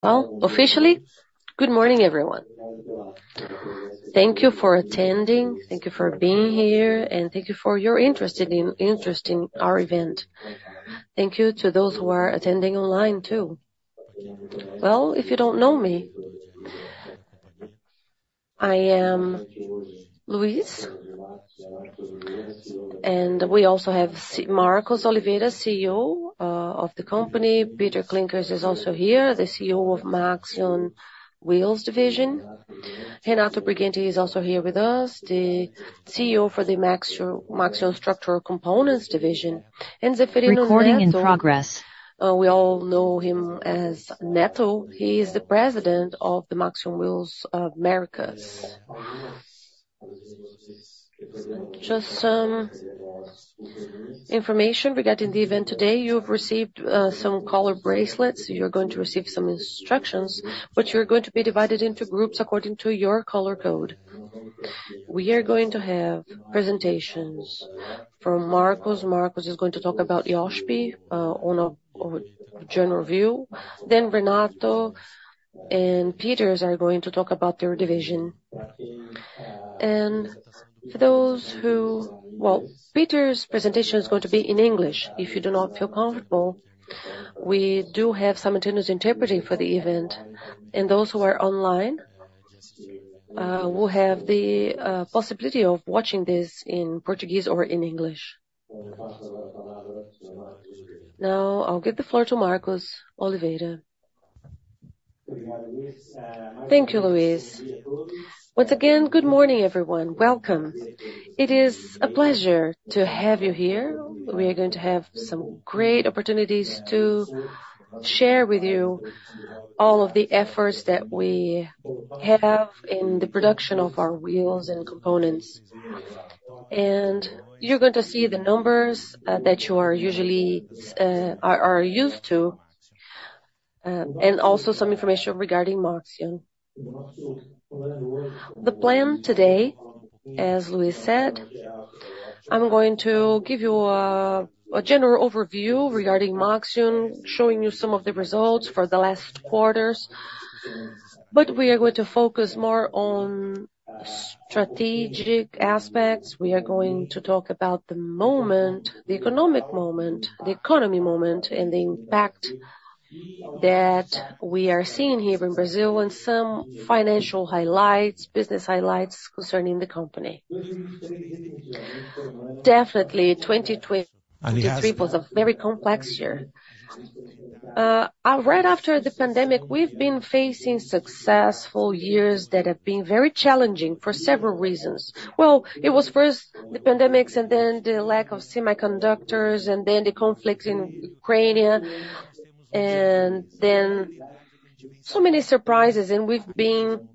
Well, officially, good morning everyone. Thank you for attending, thank you for being here, and thank you for your interest in, interest in our event. Thank you to those who are attending online too. Well, if you don't know me, I am Luís, and we also have Marcos Oliveira, CEO of the company. Pieter Klinkers is also here, the CEO of Maxion Wheels Division. Renato Brighenti is also here with us, the CEO for the Maxion Structural Components Division. And Zeferino Niz, we all know him as Neto. He is the president of the Maxion Wheels Americas. Just information regarding the event today: you've received some color bracelets. You're going to receive some instructions, but you're going to be divided into groups according to your color code. We are going to have presentations from Marcos. Marcos is going to talk about Iochpe-Maxion on a general view. Then Renato and Pieter are going to talk about their division. For those who, Pieter's presentation is going to be in English. If you do not feel comfortable, we do have simultaneous interpreting for the event. Those who are online will have the possibility of watching this in Portuguese or in English. Now I'll give the floor to Marcos Oliveira. Thank you, Luís. Once again, good morning everyone. Welcome. It is a pleasure to have you here. We are going to have some great opportunities to share with you all of the efforts that we have in the production of our wheels and components. You're going to see the numbers that you are usually used to, and also some information regarding Maxion. The plan today, as Luís said, I'm going to give you a general overview regarding Maxion, showing you some of the results for the last quarters. But we are going to focus more on strategic aspects. We are going to talk about the moment, the economic moment, the economy moment, and the impact that we are seeing here in Brazil, and some financial highlights, business highlights concerning the company. Definitely, 2020, 2023 was a very complex year. Right after the pandemic, we've been facing successful years that have been very challenging for several reasons. Well, it was first the pandemics, and then the lack of semiconductors, and then the conflict in Ukraine, and then so many surprises. And we've been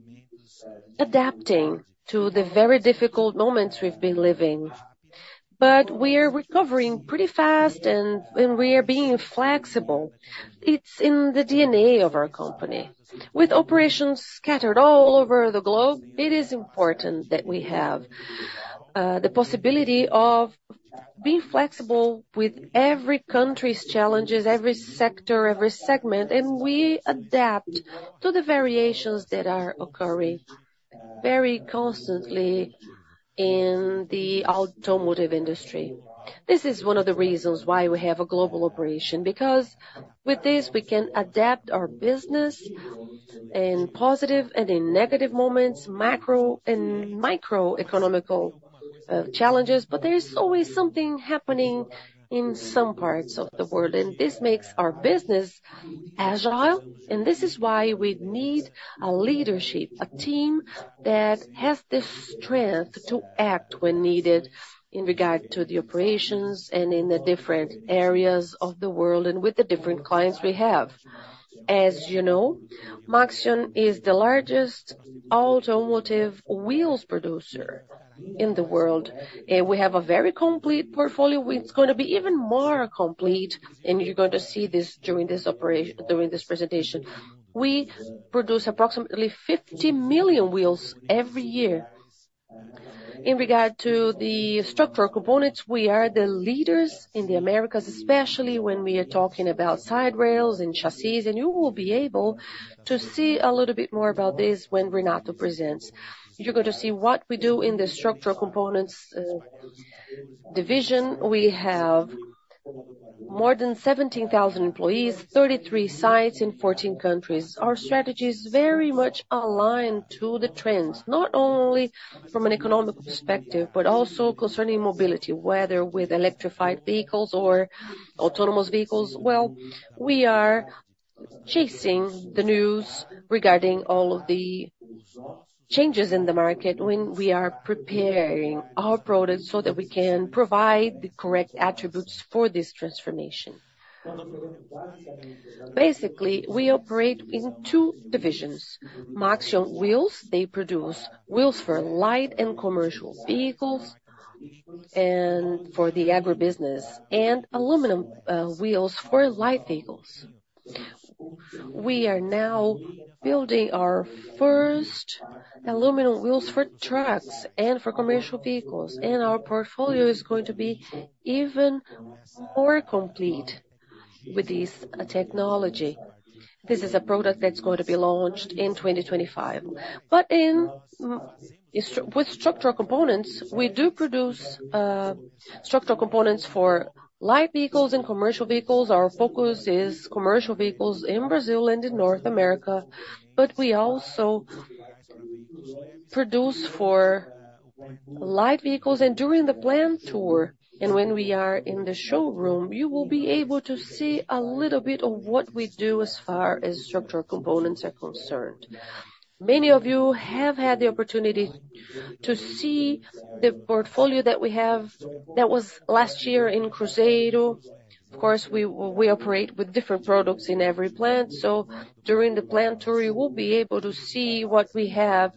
adapting to the very difficult moments we've been living. But we are recovering pretty fast, and we are being flexible. It's in the DNA of our company. With operations scattered all over the globe, it is important that we have the possibility of being flexible with every country's challenges, every sector, every segment, and we adapt to the variations that are occurring very constantly in the automotive industry. This is one of the reasons why we have a global operation, because with this, we can adapt our business in positive and in negative moments, macro and microeconomic challenges. But there's always something happening in some parts of the world, and this makes our business agile. This is why we need a leadership, a team that has the strength to act when needed in regard to the operations and in the different areas of the world and with the different clients we have. As you know, Maxion is the largest automotive wheels producer in the world, and we have a very complete portfolio. It's going to be even more complete, and you're going to see this during this operation, during this presentation. We produce approximately 50 million wheels every year. In regard to the structural components, we are the leaders in the Americas, especially when we are talking about side rails and chassis. You will be able to see a little bit more about this when Renato presents. You're going to see what we do in the structural components division. We have more than 17,000 employees, 33 sites in 14 countries. Our strategy is very much aligned to the trends, not only from an economic perspective but also concerning mobility, whether with electrified vehicles or autonomous vehicles. Well, we are chasing the news regarding all of the changes in the market when we are preparing our products so that we can provide the correct attributes for this transformation. Basically, we operate in two divisions. Maxion Wheels, they produce wheels for light and commercial vehicles and for the agribusiness, and aluminum wheels for light vehicles. We are now building our first aluminum wheels for trucks and for commercial vehicles, and our portfolio is going to be even more complete with this technology. This is a product that's going to be launched in 2025. But in structural components, we do produce structural components for light vehicles and commercial vehicles. Our focus is commercial vehicles in Brazil and in North America, but we also produce for light vehicles. And during the plant tour, and when we are in the showroom, you will be able to see a little bit of what we do as far as structural components are concerned. Many of you have had the opportunity to see the portfolio that we have that was last year in Cruzeiro. Of course, we operate with different products in every plant, so during the plant tour, you will be able to see what we have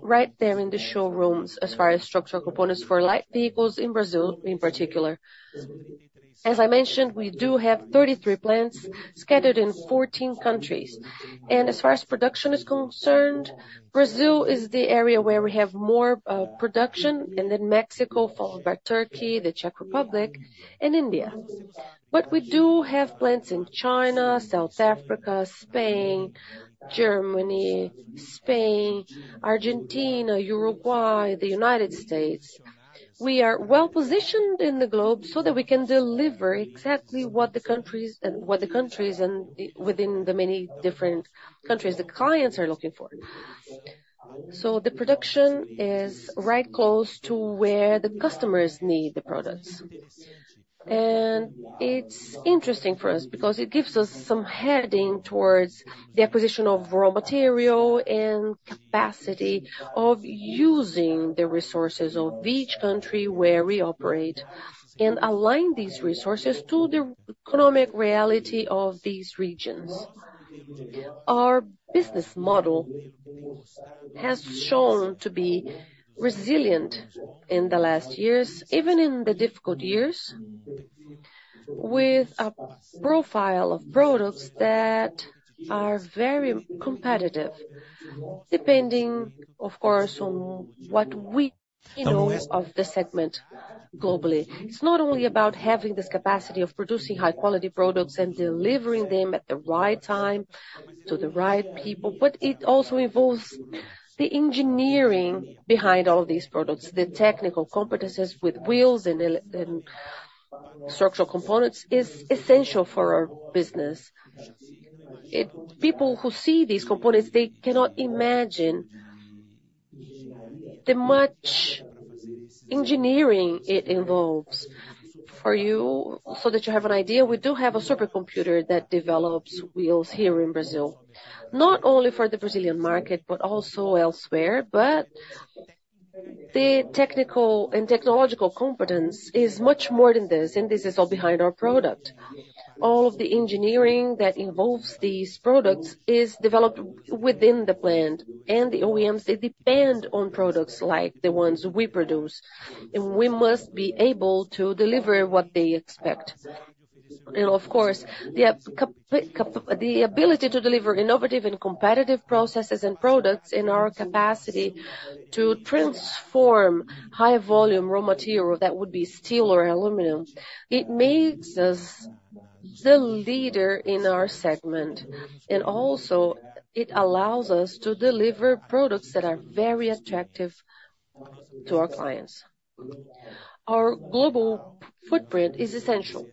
right there in the showrooms as far as structural components for light vehicles in Brazil in particular. As I mentioned, we do have 33 plants scattered in 14 countries. As far as production is concerned, Brazil is the area where we have more production, and then Mexico followed by Turkey, the Czech Republic, and India. But we do have plants in China, South Africa, Spain, Germany, Spain, Argentina, Uruguay, the United States. We are well-positioned in the globe so that we can deliver exactly what the countries and the clients within the many different countries are looking for. So the production is right close to where the customers need the products. It's interesting for us because it gives us some heading towards the acquisition of raw material and capacity of using the resources of each country where we operate and align these resources to the economic reality of these regions. Our business model has shown to be resilient in the last years, even in the difficult years, with a profile of products that are very competitive, depending, of course, on what we know of the segment globally. It's not only about having this capacity of producing high-quality products and delivering them at the right time to the right people, but it also involves the engineering behind all of these products. The technical competences with wheels and structural components is essential for our business. It's people who see these components; they cannot imagine how much engineering it involves. For you, so that you have an idea, we do have a supercomputer that develops wheels here in Brazil, not only for the Brazilian market but also elsewhere. But the technical and technological competence is much more than this, and this is all behind our product. All of the engineering that involves these products is developed within the plant, and the OEMs, they depend on products like the ones we produce, and we must be able to deliver what they expect. And of course, the ability to deliver innovative and competitive processes and products in our capacity to transform high-volume raw material that would be steel or aluminum; it makes us the leader in our segment. And also, it allows us to deliver products that are very attractive to our clients. Our global footprint is essential.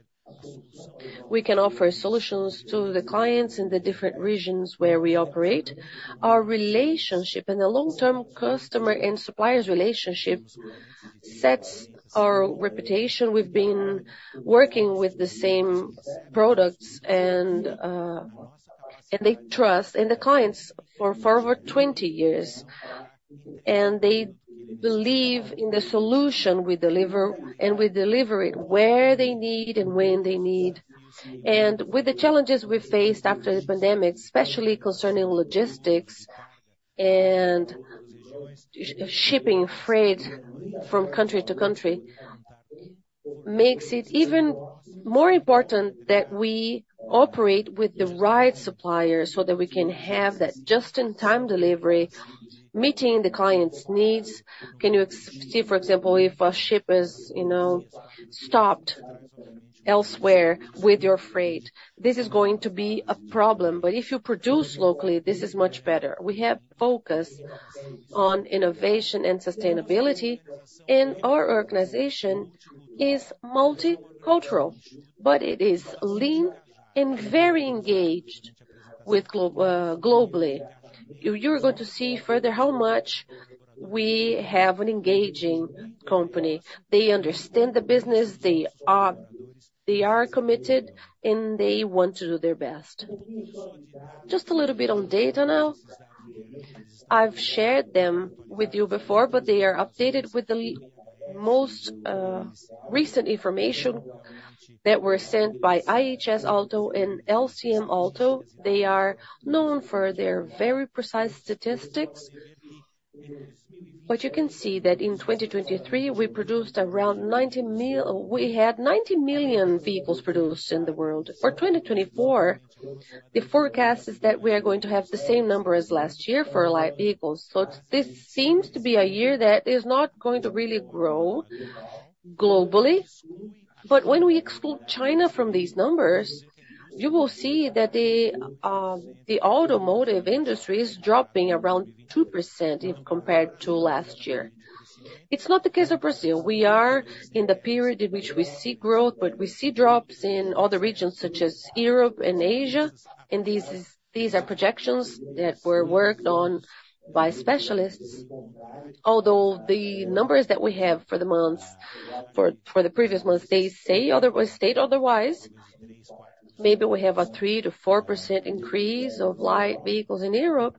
We can offer solutions to the clients in the different regions where we operate. Our relationship and the long-term customer and supplier relationship sets our reputation. We've been working with the same products, and they trust, and the clients, for over 20 years. They believe in the solution we deliver, and we deliver it where they need and when they need. With the challenges we faced after the pandemic, especially concerning logistics and shipping freight from country to country, makes it even more important that we operate with the right suppliers so that we can have that just-in-time delivery meeting the client's needs. Can you see, for example, if a ship is, you know, stopped elsewhere with your freight, this is going to be a problem. But if you produce locally, this is much better. We have focus on innovation and sustainability, and our organization is multicultural, but it is lean and very engaged with globally. You, you're going to see further how much we have an engaging company. They understand the business. They are committed, and they want to do their best. Just a little bit on data now. I've shared them with you before, but they are updated with the most recent information that were sent by IHS Auto and LMC Auto. They are known for their very precise statistics. But you can see that in 2023, we produced around 90 million vehicles in the world. For 2024, the forecast is that we are going to have the same number as last year for light vehicles. So this seems to be a year that is not going to really grow globally. But when we exclude China from these numbers, you will see that the automotive industry is dropping around 2% if compared to last year. It's not the case of Brazil. We are in the period in which we see growth, but we see drops in other regions such as Europe and Asia. These are projections that were worked on by specialists. Although the numbers that we have for the months for the previous months, they say otherwise, maybe we have a 3%-4% increase of light vehicles in Europe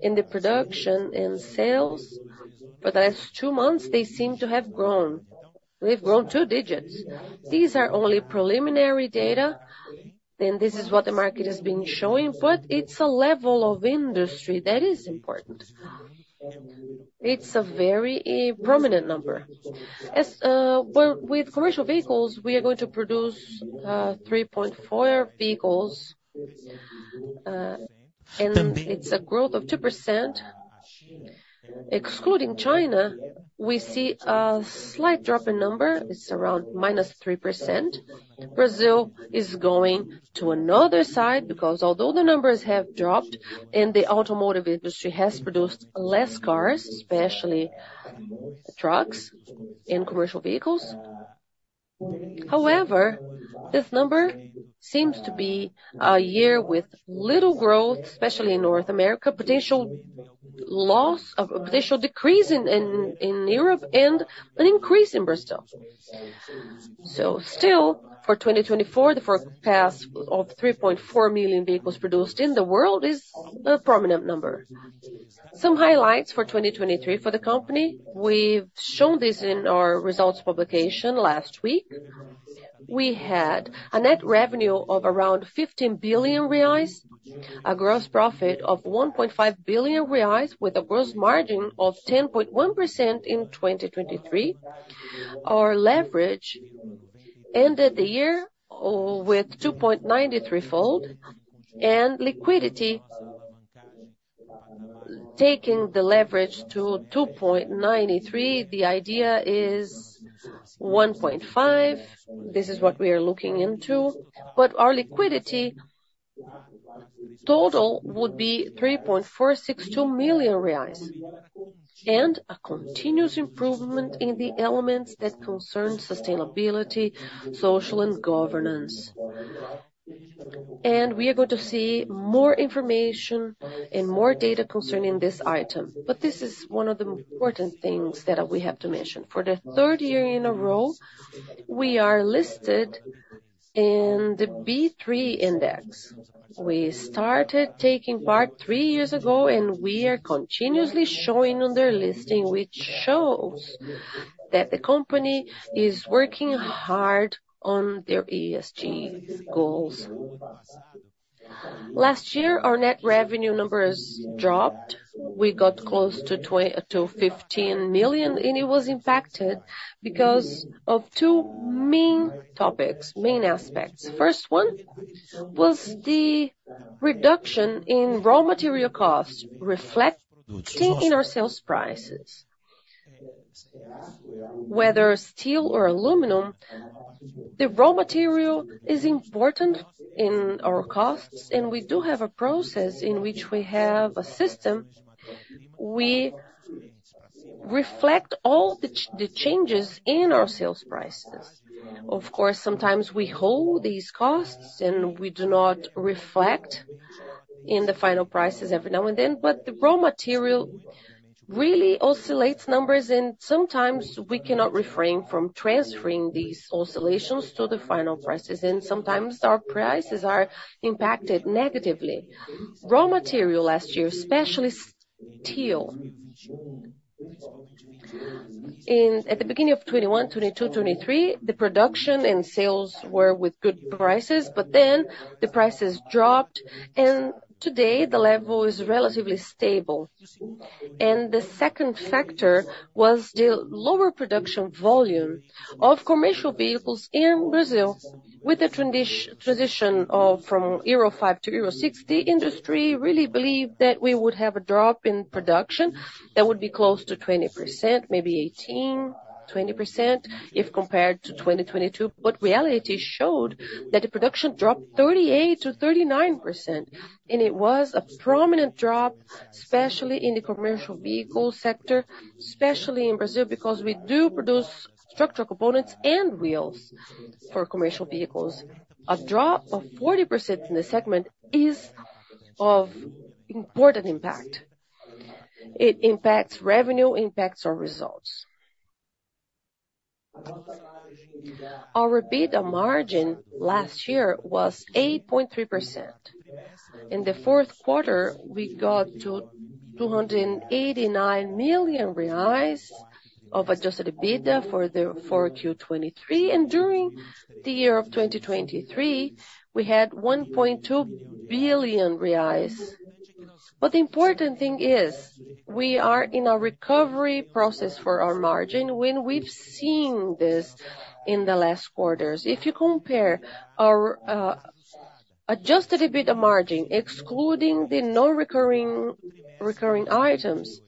in the production and sales. For the last two months, they seem to have grown. They've grown two digits. These are only preliminary data, and this is what the market has been showing. But it's a level of industry that is important. It's a very prominent number. With commercial vehicles, we are going to produce 3.4 million vehicles, and it's a growth of 2%. Excluding China, we see a slight drop in number. It's around -3%. Brazil is going to another side because although the numbers have dropped and the automotive industry has produced less cars, especially trucks and commercial vehicles, however, this number seems to be a year with little growth, especially in North America, potential loss of a potential decrease in Europe, and an increase in Brazil. Still, for 2024, the forecast of 3.4 million vehicles produced in the world is a prominent number. Some highlights for 2023 for the company. We've shown this in our results publication last week. We had a net revenue of around 15 billion reais, a gross profit of 1.5 billion reais with a gross margin of 10.1% in 2023. Our leverage ended the year with 2.93x and liquidity taking the leverage to 2.93x. The idea is 1.5x. This is what we are looking into. Our liquidity total would be 3.462 million reais and a continuous improvement in the elements that concern sustainability, social, and governance. We are going to see more information and more data concerning this item. This is one of the important things that we have to mention. For the third year in a row, we are listed in the B3 index. We started taking part three years ago, and we are continuously showing on their listing, which shows that the company is working hard on their ESG goals. Last year, our net revenue numbers dropped. We got close to 20 million to 15 million, and it was impacted because of two main topics, main aspects. First one was the reduction in raw material costs reflecting in our sales prices. Whether steel or aluminum, the raw material is important in our costs, and we do have a process in which we have a system we reflect all the changes in our sales prices. Of course, sometimes we hold these costs, and we do not reflect in the final prices every now and then. But the raw material really oscillates numbers, and sometimes we cannot refrain from transferring these oscillations to the final prices, and sometimes our prices are impacted negatively. Raw material last year, especially steel. In at the beginning of 2021, 2022, 2023, the production and sales were with good prices, but then the prices dropped, and today, the level is relatively stable. And the second factor was the lower production volume of commercial vehicles in Brazil. With the transition of from Euro 5 to Euro 6, the industry really believed that we would have a drop in production that would be close to 20%, maybe 18%-20% if compared to 2022. But reality showed that the production dropped 38%-39%, and it was a prominent drop, especially in the commercial vehicle sector, especially in Brazil because we do produce structural components and wheels for commercial vehicles. A drop of 40% in the segment is of important impact. It impacts revenue, impacts our results. Our EBITDA margin last year was 8.3%. In the fourth quarter, we got to 289 million reais of adjusted EBITDA for Q23. And during the year of 2023, we had 1.2 billion reais. But the important thing is we are in a recovery process for our margin when we've seen this in the last quarters. If you compare our adjusted EBITDA margin, excluding the non-recurring recurring items,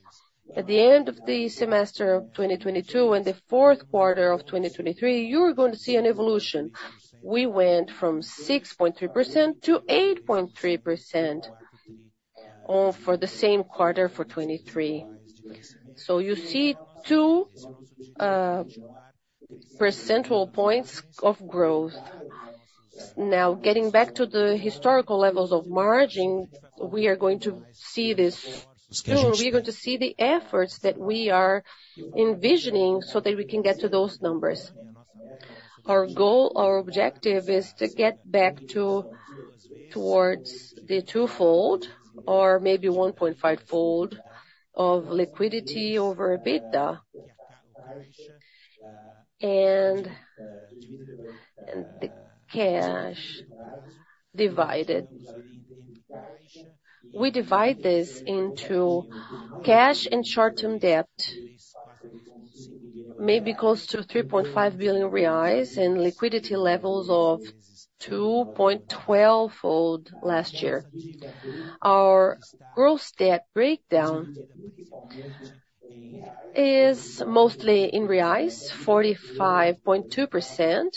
at the end of the semester of 2022 and the fourth quarter of 2023, you're going to see an evolution. We went from 6.3% to 8.3%, for the same quarter for 2023. So you see two percentage points of growth. Now, getting back to the historical levels of margin, we are going to see this soon. We are going to see the efforts that we are envisioning so that we can get to those numbers. Our goal, our objective is to get back towards the twofold or maybe 1.5-fold of liquidity over EBITDA and the cash divided. We divide this into cash and short-term debt, maybe close to 3.5 billion reais, and liquidity levels of 2.12-fold last year. Our gross debt breakdown is mostly in reais, 45.2%,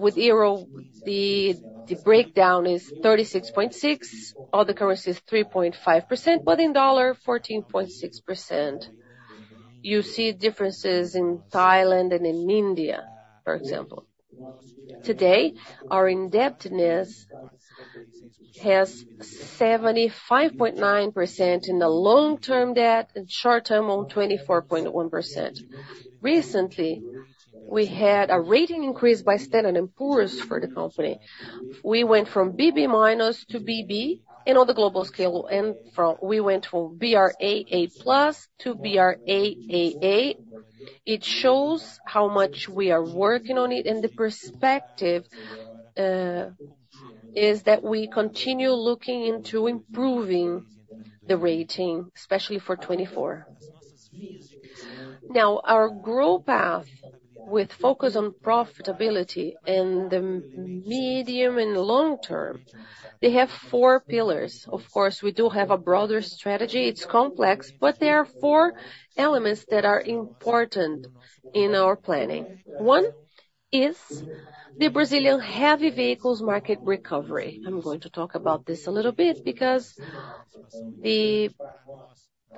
with euro the breakdown is 36.6%. All the currencies 3.5%, but in dollar, 14.6%. You see differences in Thailand and in India, for example. Today, our indebtedness has 75.9% in the long-term debt and short-term on 24.1%. Recently, we had a rating increase by Standard & Poor's for the company. We went from BB- to BB in all the global scale, and from brAA+ to brAAA. It shows how much we are working on it, and the perspective is that we continue looking into improving the rating, especially for 2024. Now, our growth path with focus on profitability in the medium and long term has four pillars. Of course, we do have a broader strategy. It's complex, but there are four elements that are important in our planning. One is the Brazilian heavy vehicles market recovery. I'm going to talk about this a little bit because the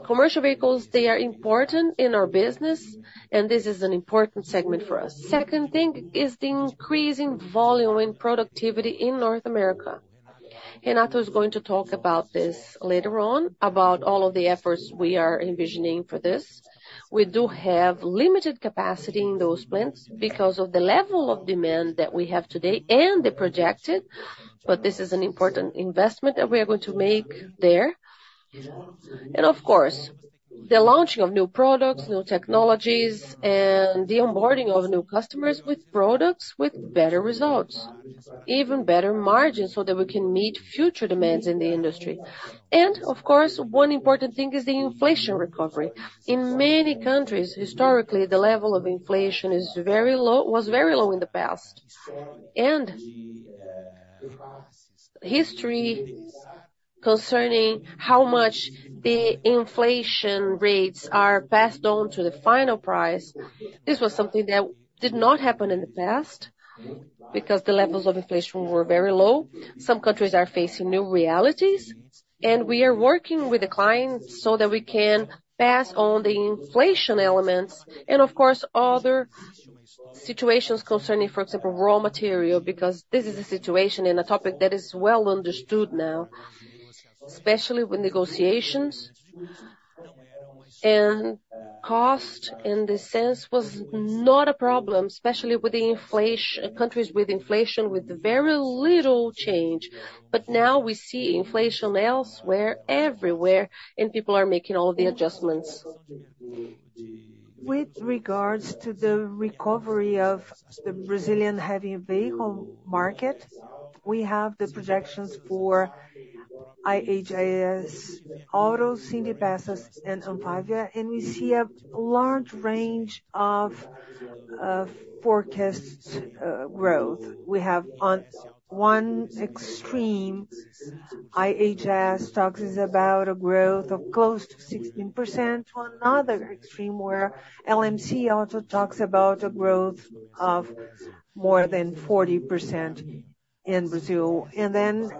commercial vehicles, they are important in our business, and this is an important segment for us. Second thing is the increasing volume and productivity in North America. Renato is going to talk about this later on, about all of the efforts we are envisioning for this. We do have limited capacity in those plants because of the level of demand that we have today and the projected, but this is an important investment that we are going to make there. And of course, the launching of new products, new technologies, and the onboarding of new customers with products with better results, even better margins so that we can meet future demands in the industry. And of course, one important thing is the inflation recovery. In many countries, historically, the level of inflation is very low was very low in the past. History concerning how much the inflation rates are passed on to the final price, this was something that did not happen in the past because the levels of inflation were very low. Some countries are facing new realities, and we are working with the clients so that we can pass on the inflation elements and, of course, other situations concerning, for example, raw material because this is a situation and a topic that is well understood now, especially with negotiations. Cost, in this sense, was not a problem, especially with the inflation countries with inflation with very little change. But now, we see inflation elsewhere, everywhere, and people are making all of the adjustments. With regards to the recovery of the Brazilian heavy vehicle market, we have the projections for IHS Auto, Sindipeças, and Anfavea, and we see a large range of forecasts growth. We have on one extreme, IHS talks about a growth of close to 16%. Another extreme where LMC Auto talks about a growth of more than 40% in Brazil. And then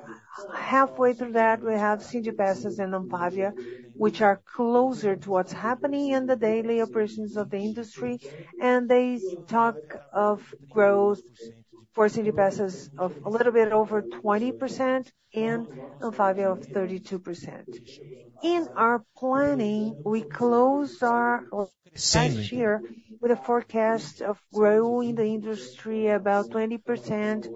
halfway through that, we have Sindipeças and Anfavea, which are closer to what's happening in the daily operations of the industry, and they talk of growth for Sindipeças of a little bit over 20% and Anfavea of 32%. In our planning, we closed our last year with a forecast of growing the industry about 20%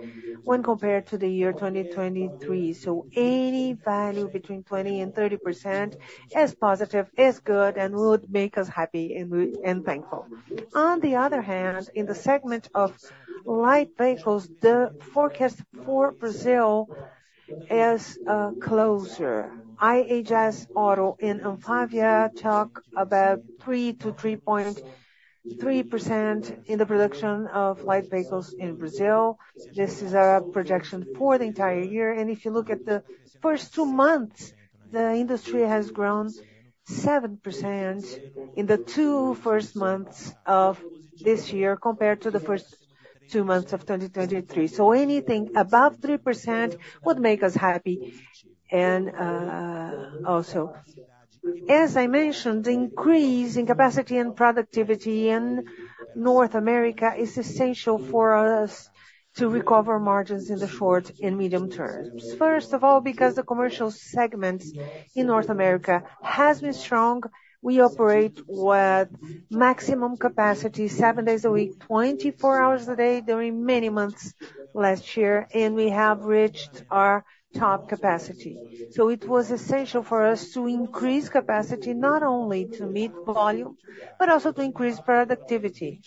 when compared to the year 2023. So any value between 20% and 30% as positive as good and would make us happy and thankful. On the other hand, in the segment of light vehicles, the forecast for Brazil is closer. IHS Auto and Anfavea talk about 3%-3.3% in the production of light vehicles in Brazil. This is our projection for the entire year. And if you look at the first two months, the industry has grown 7% in the two first months of this year compared to the first two months of 2023. So anything above 3% would make us happy. And, also, as I mentioned, the increase in capacity and productivity in North America is essential for us to recover margins in the short and medium terms. First of all, because the commercial segment in North America has been strong, we operate with maximum capacity 7 days a week, 24 hours a day during many months last year, and we have reached our top capacity. So it was essential for us to increase capacity not only to meet volume but also to increase productivity.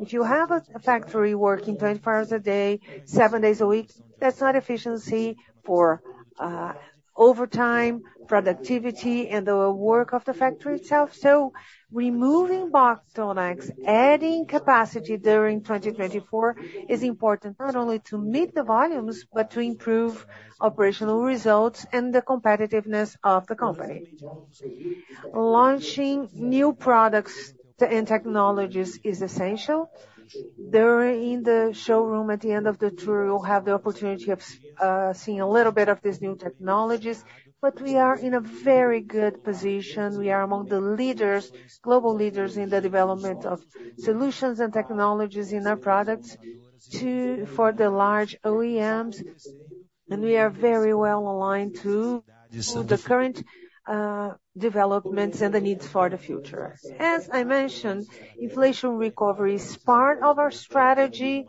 If you have a factory working 24 hours a day, seven days a week, that's not efficiency for overtime, productivity, and the work of the factory itself. So removing bottlenecks, adding capacity during 2024 is important not only to meet the volumes but to improve operational results and the competitiveness of the company. Launching new products and technologies is essential. During the showroom at the end of the tour, you'll have the opportunity of seeing a little bit of these new technologies, but we are in a very good position. We are among the leaders, global leaders in the development of solutions and technologies in our products for the large OEMs, and we are very well aligned to the current developments and the needs for the future. As I mentioned, inflation recovery is part of our strategy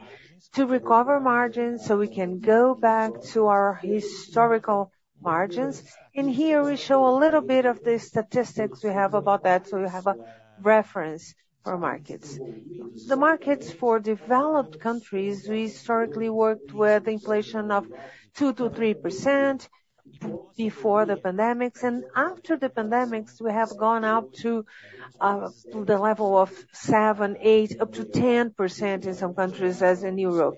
to recover margins so we can go back to our historical margins. And here, we show a little bit of the statistics we have about that so you have a reference for markets. The markets for developed countries, we historically worked with inflation of 2%-3% before the pandemics, and after the pandemics, we have gone up to the level of 7%, 8%, up to 10% in some countries as in Europe,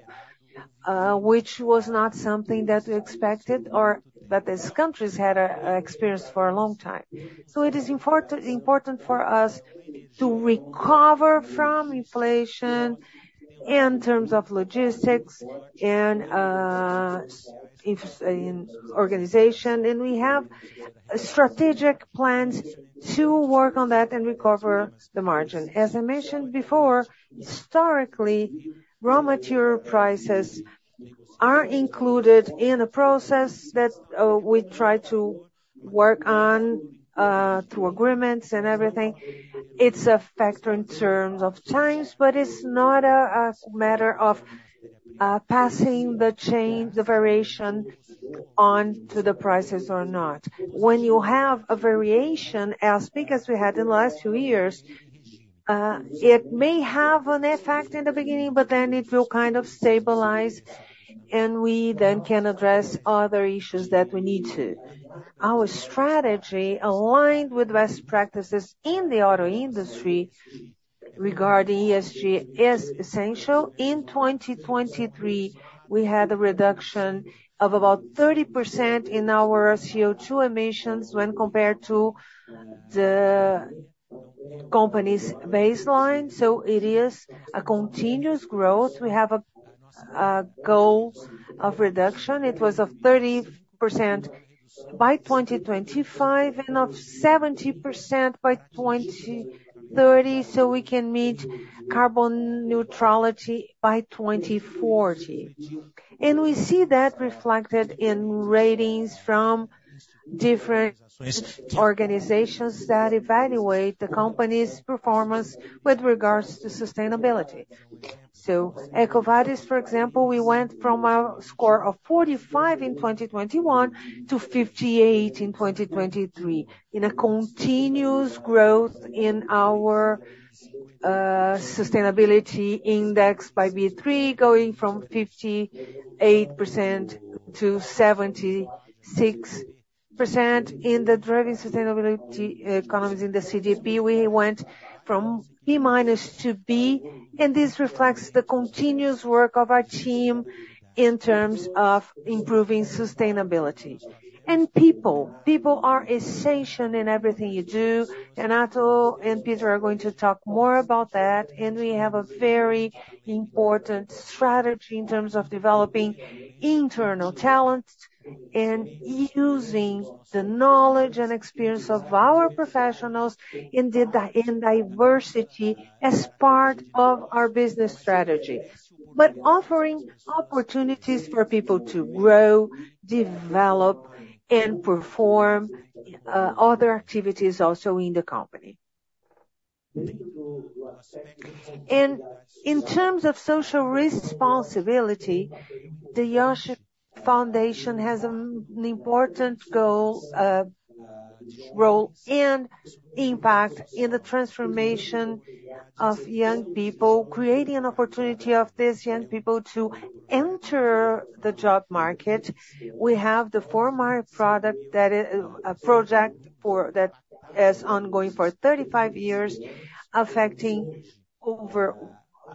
which was not something that we expected or that these countries had experienced for a long time. So it is important, important for us to recover from inflation in terms of logistics and in organization, and we have strategic plans to work on that and recover the margin. As I mentioned before, historically, raw material prices are included in a process that we try to work on through agreements and everything. It's a factor in terms of times, but it's not a matter of passing the change, the variation onto the prices or not. When you have a variation as big as we had in the last few years, it may have an effect in the beginning, but then it will kind of stabilize, and we then can address other issues that we need to. Our strategy aligned with best practices in the auto industry regarding ESG is essential. In 2023, we had a reduction of about 30% in our CO2 emissions when compared to the company's baseline. So it is a continuous growth. We have a goal of reduction. It was 30% by 2025 and 70% by 2030 so we can meet carbon neutrality by 2040. We see that reflected in ratings from different organizations that evaluate the company's performance with regards to sustainability. So EcoVadis, for example, we went from a score of 45 in 2021 to 58 in 2023 in a continuous growth in our, sustainability index by B3, going from 58% to 76% in the driving sustainability economies in the CDP. We went from P- to B, and this reflects the continuous work of our team in terms of improving sustainability. People, people are essential in everything you do. Renato and Pieter are going to talk more about that, and we have a very important strategy in terms of developing internal talents and using the knowledge and experience of our professionals and the diversity as part of our business strategy, but offering opportunities for people to grow, develop, and perform other activities also in the company. In terms of social responsibility, the Iochpe Foundation has an important goal, role, and impact in the transformation of young people, creating an opportunity for these young people to enter the job market. We have the Formare product that is a project that is ongoing for 35 years, affecting over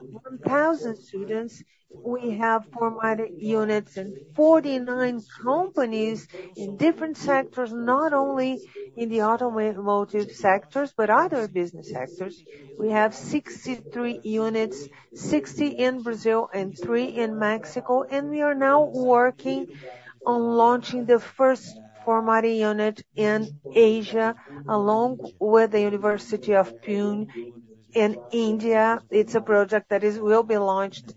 1,000 students. We have Formare units in 49 companies in different sectors, not only in the automotive sectors but other business sectors. We have 63 units, 60 in Brazil and 3 in Mexico, and we are now working on launching the first Formare unit in Asia along with the University of Pune in India. It's a project that will be launched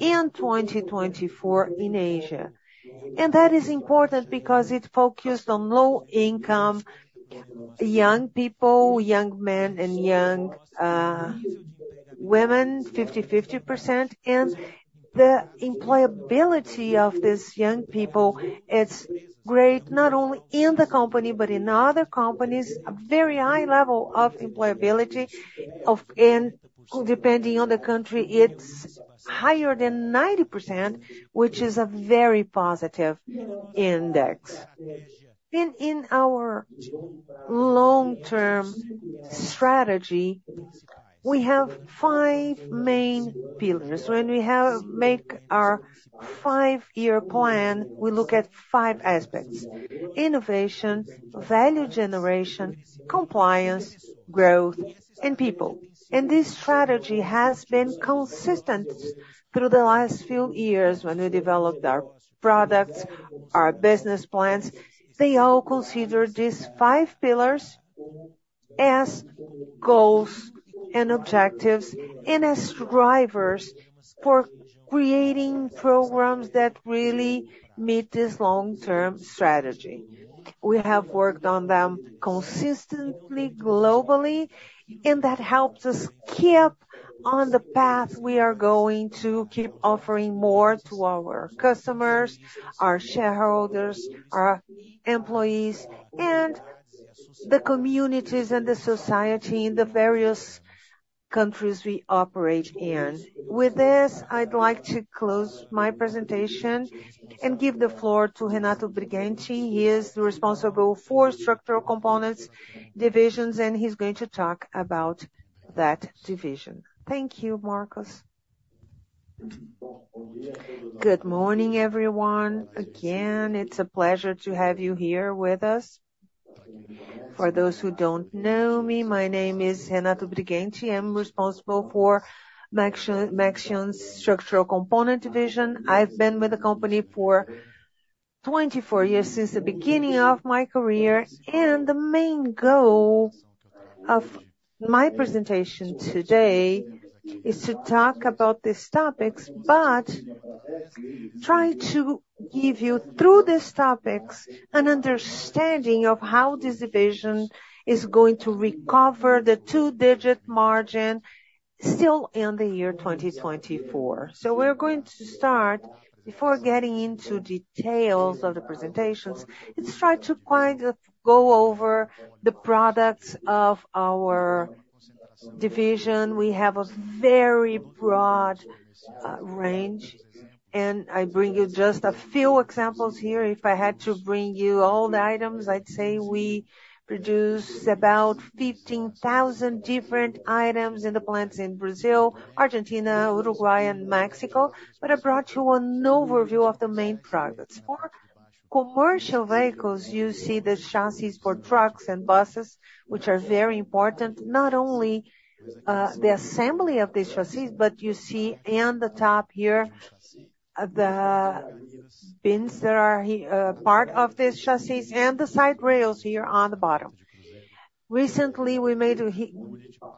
in 2024 in Asia. That is important because it focused on low-income young people, young men, and young women, 50/50%. The employability of these young people, it's great not only in the company but in other companies, a very high level of employability, and depending on the country, it's higher than 90%, which is a very positive index. In our long-term strategy, we have five main pillars. When we make our five-year plan, we look at five aspects: innovation, value generation, compliance, growth, and people. This strategy has been consistent through the last few years when we developed our products, our business plans. They all consider these five pillars as goals and objectives and as drivers for creating programs that really meet this long-term strategy. We have worked on them consistently globally, and that helps us keep on the path we are going to keep offering more to our customers, our shareholders, our employees, and the communities and the society in the various countries we operate in. With this, I'd like to close my presentation and give the floor to Renato Brighenti. He is the responsible for structural components divisions, and he's going to talk about that division. Thank you, Marcos. Good morning, everyone. Again, it's a pleasure to have you here with us. For those who don't know me, my name is Renato Brighenti. I'm responsible for Maxion's structural component division. I've been with the company for 24 years since the beginning of my career, and the main goal of my presentation today is to talk about these topics but try to give you, through these topics, an understanding of how this division is going to recover the two-digit margin still in the year 2024. So we're going to start, before getting into details of the presentations, let's try to kind of go over the products of our division. We have a very broad range, and I bring you just a few examples here. If I had to bring you all the items, I'd say we produce about 15,000 different items in the plants in Brazil, Argentina, Uruguay, and Mexico, but I brought you an overview of the main products. For commercial vehicles, you see the chassis for trucks and buses, which are very important, not only the assembly of these chassis, but you see on the top here the bins that are part of these chassis and the side rails here on the bottom. Recently, we made a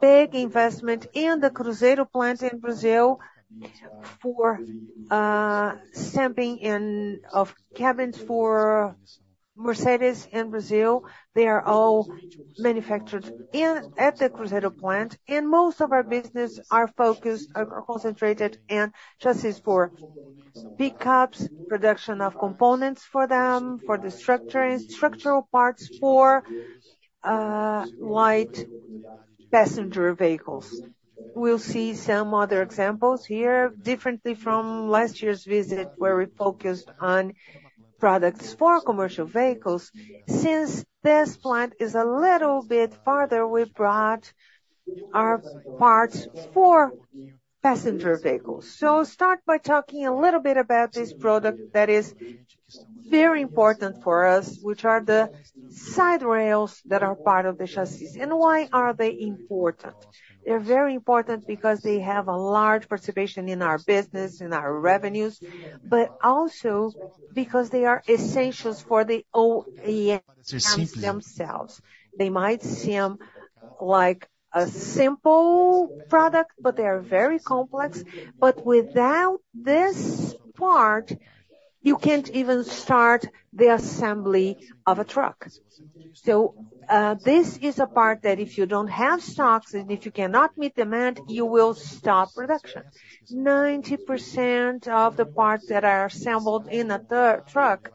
big investment in the Cruzeiro plant in Brazil for stamping of cabins for Mercedes in Brazil. They are all manufactured at the Cruzeiro plant, and most of our business is focused or concentrated on chassis for pickups, production of components for them, for the structures, structural parts for light passenger vehicles. We'll see some other examples here. Differently from last year's visit, where we focused on products for commercial vehicles, since this plant is a little bit farther, we brought our parts for passenger vehicles. I'll start by talking a little bit about this product that is very important for us, which are the side rails that are part of the chassis. Why are they important? They're very important because they have a large participation in our business, in our revenues, but also because they are essential for the OEMs themselves. They might seem like a simple product, but they are very complex. Without this part, you can't even start the assembly of a truck. This is a part that if you don't have stocks and if you cannot meet demand, you will stop production. 90% of the parts that are assembled in a truck,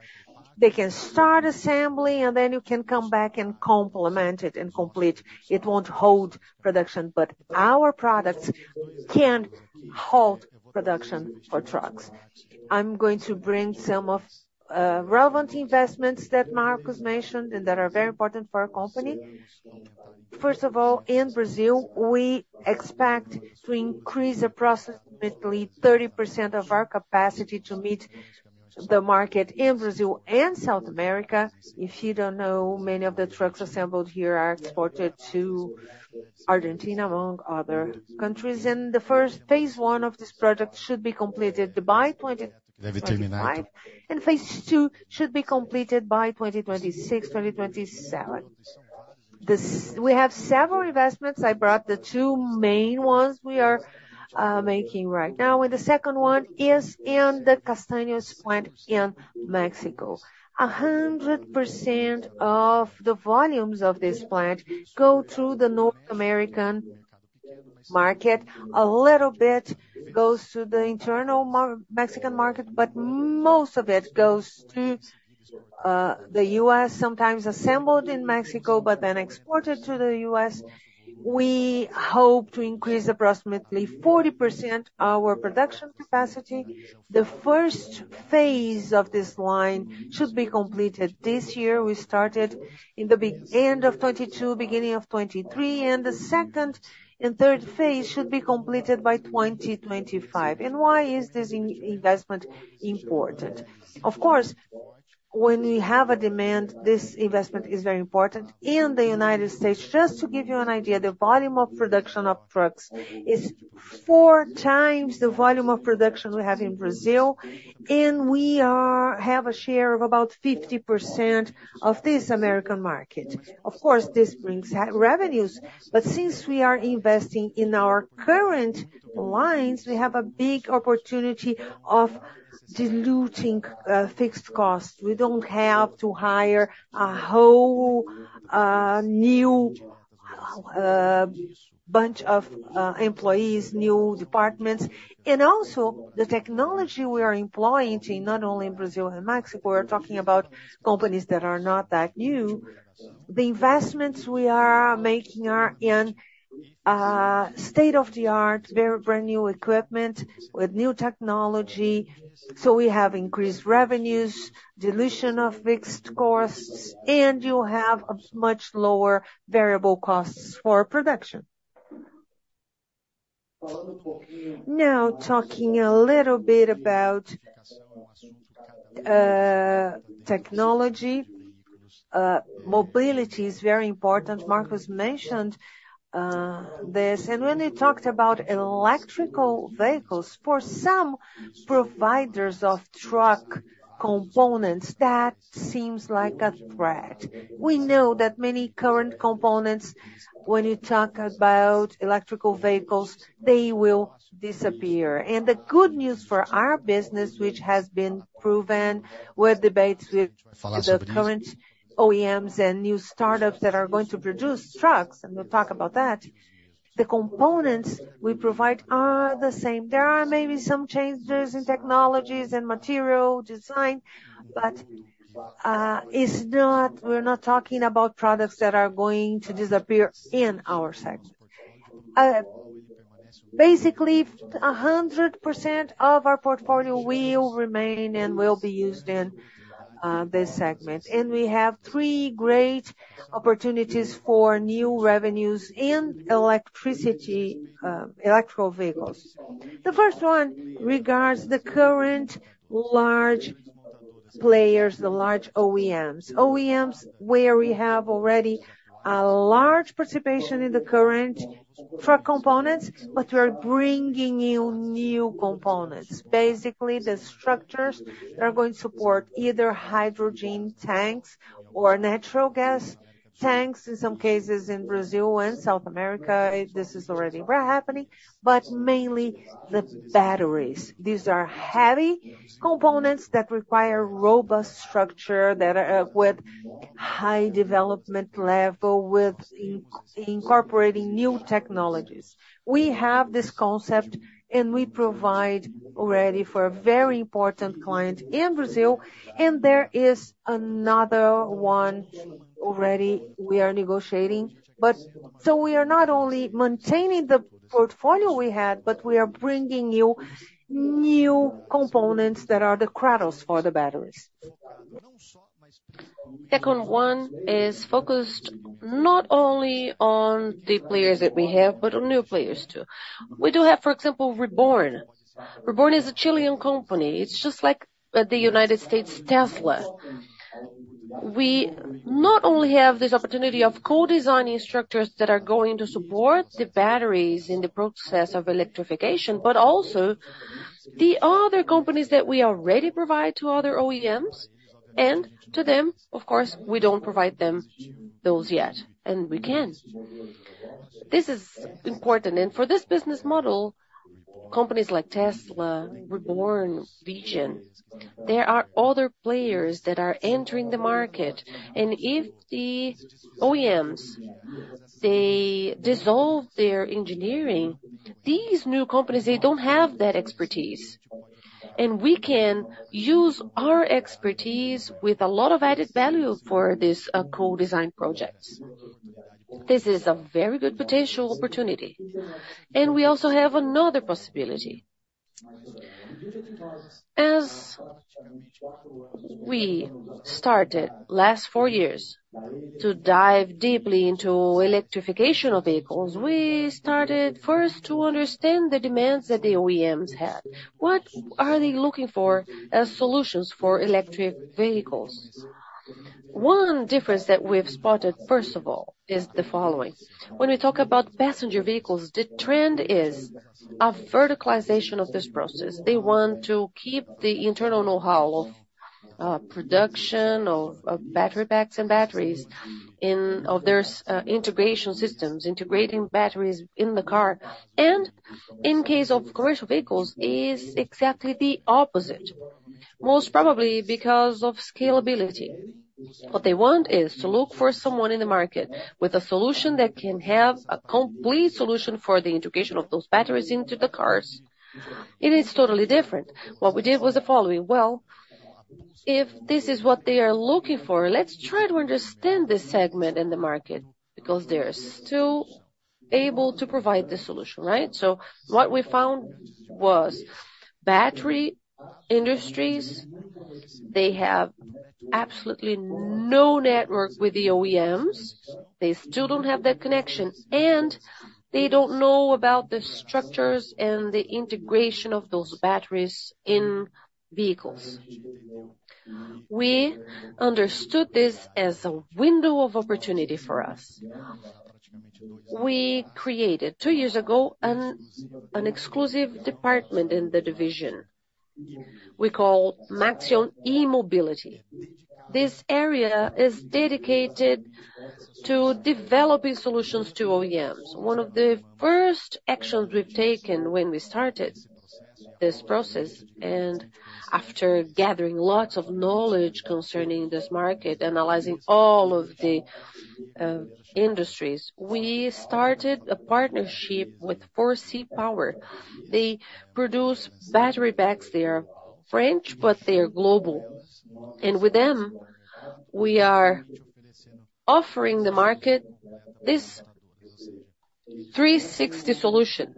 they can start assembly, and then you can come back and complement it and complete. It won't hold production, but our products can hold production for trucks. I'm going to bring some of the relevant investments that Marcos mentioned and that are very important for our company. First of all, in Brazil, we expect to increase approximately 30% of our capacity to meet the market in Brazil and South America. If you don't know, many of the trucks assembled here are exported to Argentina, among other countries. And the first phase one of this project should be completed by 2025, and phase two should be completed by 2026-2027. We have several investments. I brought the two main ones we are making right now, and the second one is in the Castaños plant in Mexico. 100% of the volumes of this plant go through the North American market, a little bit goes to the internal Mexican market, but most of it goes to the U.S., sometimes assembled in Mexico but then exported to the U.S. We hope to increase approximately 40% of our production capacity. The first phase of this line should be completed this year. We started in the end of 2022, beginning of 2023, and the second and third phase should be completed by 2025. Why is this investment important? Of course, when we have a demand, this investment is very important. In the United States, just to give you an idea, the volume of production of trucks is four times the volume of production we have in Brazil, and we have a share of about 50% of this American market. Of course, this brings revenues, but since we are investing in our current lines, we have a big opportunity of diluting fixed costs. We don't have to hire a whole new bunch of employees, new departments. And also, the technology we are employing, not only in Brazil and Mexico, we're talking about companies that are not that new. The investments we are making are in state-of-the-art, very brand-new equipment with new technology. So we have increased revenues, dilution of fixed costs, and you have much lower variable costs for production. Now, talking a little bit about technology, mobility is very important. Marcos mentioned this, and when he talked about electrical vehicles, for some providers of truck components, that seems like a threat. We know that many current components, when you talk about electrical vehicles, they will disappear. And the good news for our business, which has been proven with debates with the current OEMs and new startups that are going to produce trucks, and we'll talk about that, the components we provide are the same. There are maybe some changes in technologies and material design, but we're not talking about products that are going to disappear in our segment. Basically, 100% of our portfolio will remain and will be used in this segment. We have three great opportunities for new revenues in electric vehicles. The first one regards the current large players, the large OEMs, where we have already a large participation in the current truck components, but we are bringing in new components. Basically, the structures that are going to support either hydrogen tanks or natural gas tanks, in some cases in Brazil and South America, this is already happening, but mainly the batteries. These are heavy components that require robust structure, that are with high development level, with incorporating new technologies. We have this concept, and we provide already for a very important client in Brazil, and there is another one already we are negotiating. We are not only maintaining the portfolio we had, but we are bringing you new components that are the cradles for the batteries. The second one is focused not only on the players that we have, but on new players too. We do have, for example, Reborn. Reborn is a Chilean company. It's just like the United States Tesla. We not only have this opportunity of co-designing structures that are going to support the batteries in the process of electrification, but also the other companies that we already provide to other OEMs, and to them, of course, we don't provide those yet, and we can. This is important. For this business model, companies like Tesla, Reborn, Legion, there are other players that are entering the market. If the OEMs, they dissolve their engineering, these new companies, they don't have that expertise. We can use our expertise with a lot of added value for these co-design projects. This is a very good potential opportunity. We also have another possibility. As we started last four years to dive deeply into electrification of vehicles, we started first to understand the demands that the OEMs had. What are they looking for as solutions for electric vehicles? One difference that we've spotted, first of all, is the following. When we talk about passenger vehicles, the trend is a verticalization of this process. They want to keep the internal know-how of production of battery packs and batteries, of their integration systems, integrating batteries in the car. In case of commercial vehicles, it's exactly the opposite, most probably because of scalability. What they want is to look for someone in the market with a solution that can have a complete solution for the integration of those batteries into the cars. It's totally different. What we did was the following. Well, if this is what they are looking for, let's try to understand this segment in the market because they're still able to provide the solution, right? What we found was battery industries, they have absolutely no network with the OEMs, they still don't have that connection, and they don't know about the structures and the integration of those batteries in vehicles. We understood this as a window of opportunity for us. We created, two years ago, an exclusive department in the division we called Maxion E-Mobility. This area is dedicated to developing solutions to OEMs. One of the first actions we've taken when we started this process, and after gathering lots of knowledge concerning this market, analyzing all of the industries, we started a partnership with Forsee Power. They produce battery packs. They are French, but they are global. And with them, we are offering the market this 360 solution.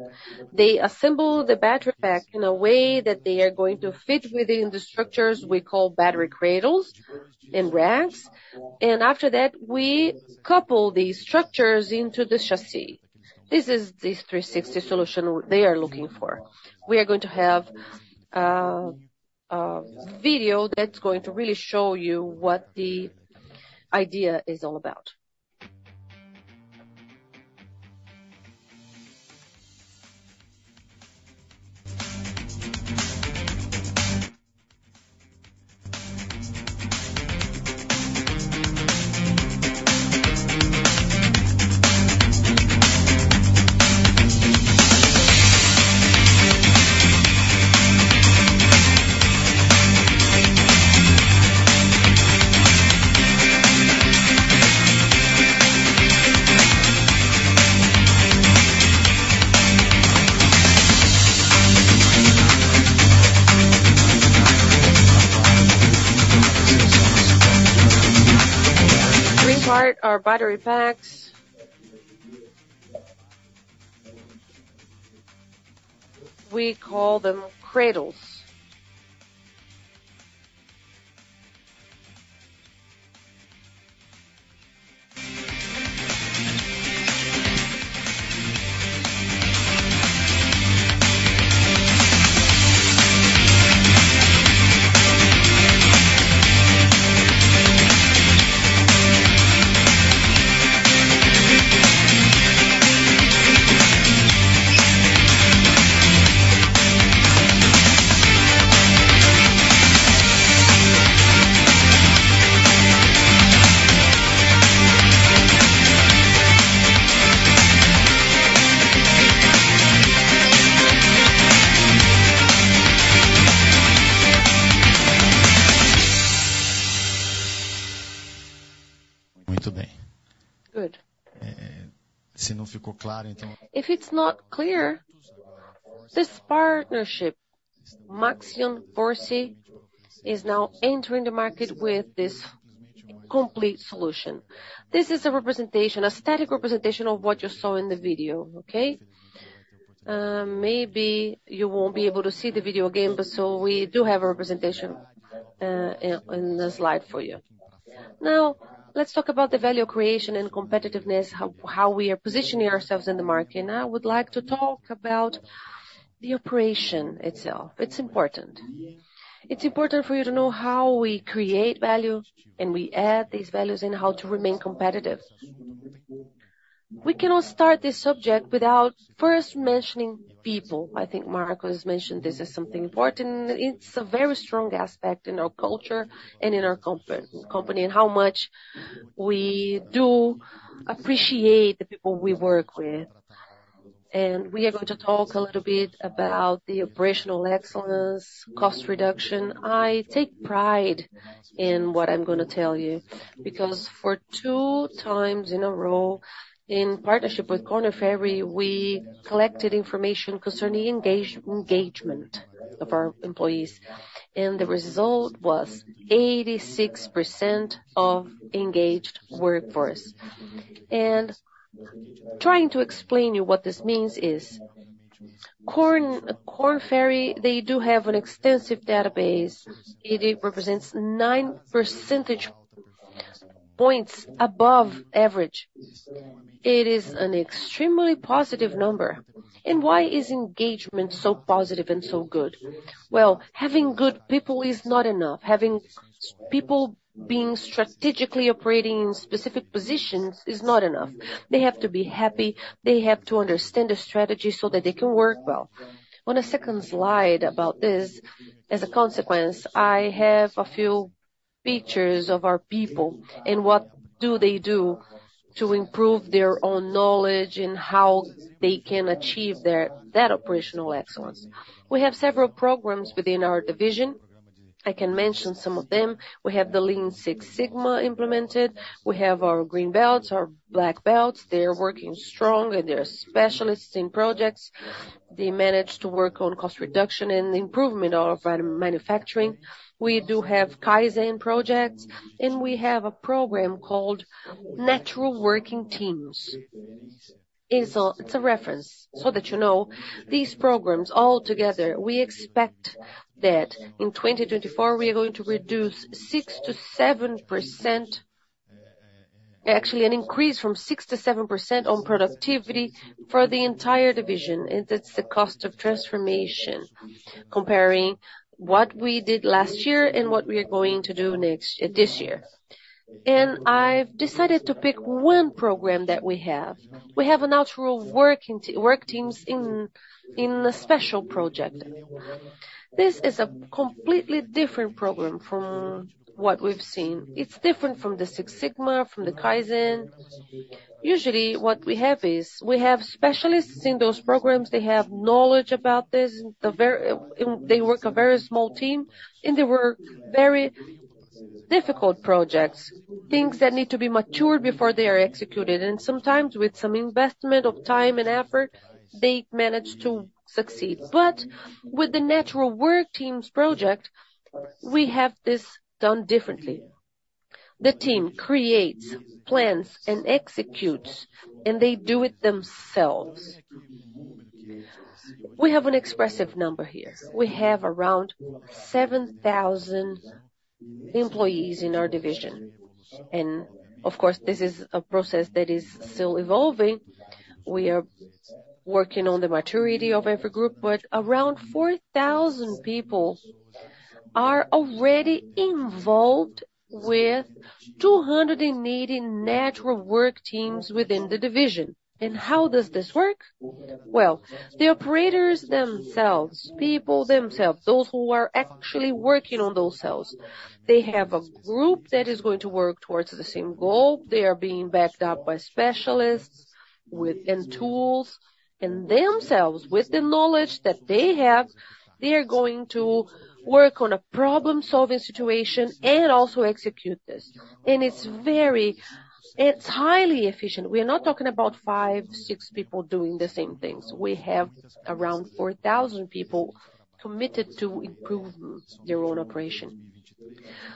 They assemble the battery pack in a way that they are going to fit within the structures we call battery cradles and racks. And after that, we couple these structures into the chassis. This is this 360 solution they are looking for. We are going to have a video that's going to really show you what the idea is all about. We part our battery packs. We call them cradles. Se não ficou claro, então. If it's not clear, this partnership, Maxion Forsee, is now entering the market with this complete solution. This is a representation, a static representation of what you saw in the video, okay? Maybe you won't be able to see the video again, but we do have a representation in the slide for you. Now, let's talk about the value creation and competitiveness, how we are positioning ourselves in the market. Now, I would like to talk about the operation itself. It's important. It's important for you to know how we create value and we add these values and how to remain competitive. We cannot start this subject without first mentioning people. I think Marcos mentioned this as something important. It's a very strong aspect in our culture and in our company and how much we do appreciate the people we work with. We are going to talk a little bit about the operational excellence, cost reduction. I take pride in what I'm going to tell you because for two times in a row, in partnership with Korn Ferry, we collected information concerning engagement of our employees. The result was 86% engaged workforce. Trying to explain you what this means is, Korn Ferry, they do have an extensive database. It represents 9 percentage points above average. It is an extremely positive number. Why is engagement so positive and so good? Well, having good people is not enough. Having people being strategically operating in specific positions is not enough. They have to be happy. They have to understand the strategy so that they can work well. On a second slide about this, as a consequence, I have a few pictures of our people and what they do to improve their own knowledge and how they can achieve that operational excellence. We have several programs within our division. I can mention some of them. We have the Lean Six Sigma implemented. We have our green belts, our black belts. They're working strong, and they're specialists in projects. They manage to work on cost reduction and improvement of manufacturing. We do have Kaizen projects, and we have a program called Natural Working Teams. It's a reference so that you know these programs altogether, we expect that in 2024, we are going to reduce 6%-7%, actually an increase from 6%-7% on productivity for the entire division. That's the cost of transformation, comparing what we did last year and what we are going to do this year. I've decided to pick one program that we have. We have Natural Work Teams in a special project. This is a completely different program from what we've seen. It's different from the Six Sigma, from the Kaizen. Usually, what we have is we have specialists in those programs. They have knowledge about this. They work a very small team, and they work very difficult projects, things that need to be matured before they are executed. Sometimes, with some investment of time and effort, they manage to succeed. But with the Natural Work Teams project, we have this done differently. The team creates, plans, and executes, and they do it themselves. We have an expressive number here. We have around 7,000 employees in our division. Of course, this is a process that is still evolving. We are working on the maturity of every group, but around 4,000 people are already involved with 280 Natural Work Teams within the division. And how does this work? Well, the operators themselves, people themselves, those who are actually working on those cells, they have a group that is going to work towards the same goal. They are being backed up by specialists and tools. And themselves, with the knowledge that they have, they are going to work on a problem-solving situation and also execute this. And it's highly efficient. We are not talking about five, six people doing the same things. We have around 4,000 people committed to improving their own operation.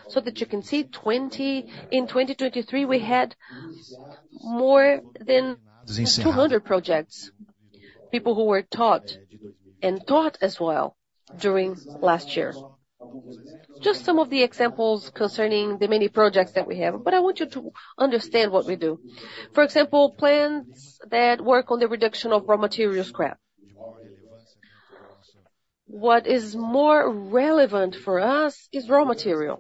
So that you can see, in 2023, we had more than 200 projects, people who were taught and taught as well during last year. Just some of the examples concerning the many projects that we have, but I want you to understand what we do. For example, plans that work on the reduction of raw material scrap. What is more relevant for us is raw material.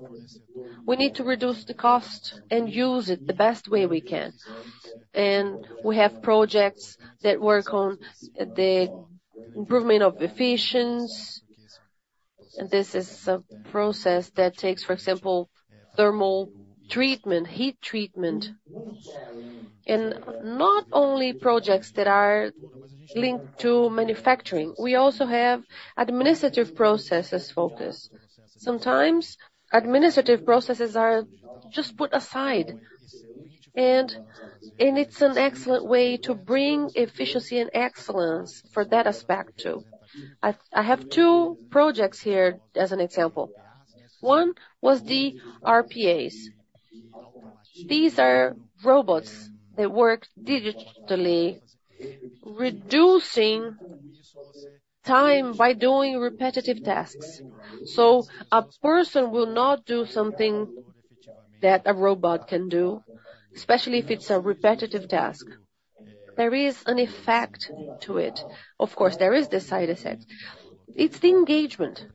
We need to reduce the cost and use it the best way we can. We have projects that work on the improvement of efficiency. This is a process that takes, for example, thermal treatment, heat treatment. Not only projects that are linked to manufacturing, we also have administrative processes focus. Sometimes, administrative processes are just put aside. It's an excellent way to bring efficiency and excellence for that aspect too. I have two projects here as an example. One was the RPAs. These are robots that work digitally, reducing time by doing repetitive tasks. So a person will not do something that a robot can do, especially if it's a repetitive task. There is an effect to it. Of course, there is this side effect. It's the engagement.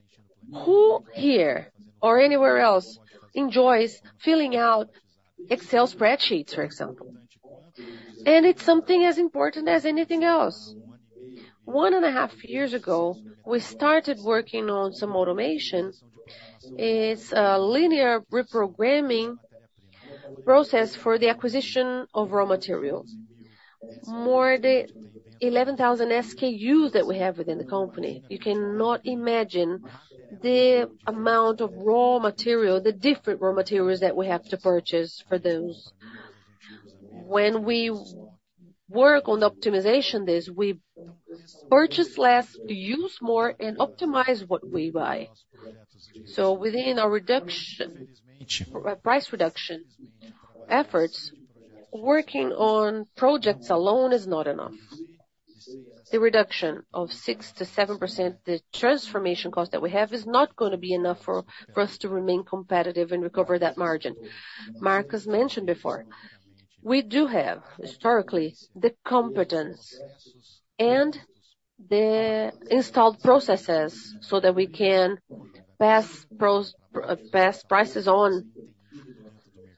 Who here or anywhere else enjoys filling out Excel spreadsheets, for example? And it's something as important as anything else. 1.5 years ago, we started working on some automation. It's a linear reprogramming process for the acquisition of raw materials, more than 11,000 SKUs that we have within the company. You cannot imagine the amount of raw material, the different raw materials that we have to purchase for those. When we work on optimization this, we purchase less, use more, and optimize what we buy. So within our price reduction efforts, working on projects alone is not enough. The reduction of 6%-7%, the transformation cost that we have is not going to be enough for us to remain competitive and recover that margin. Marcos mentioned before, we do have, historically, the competence and the installed processes so that we can pass prices on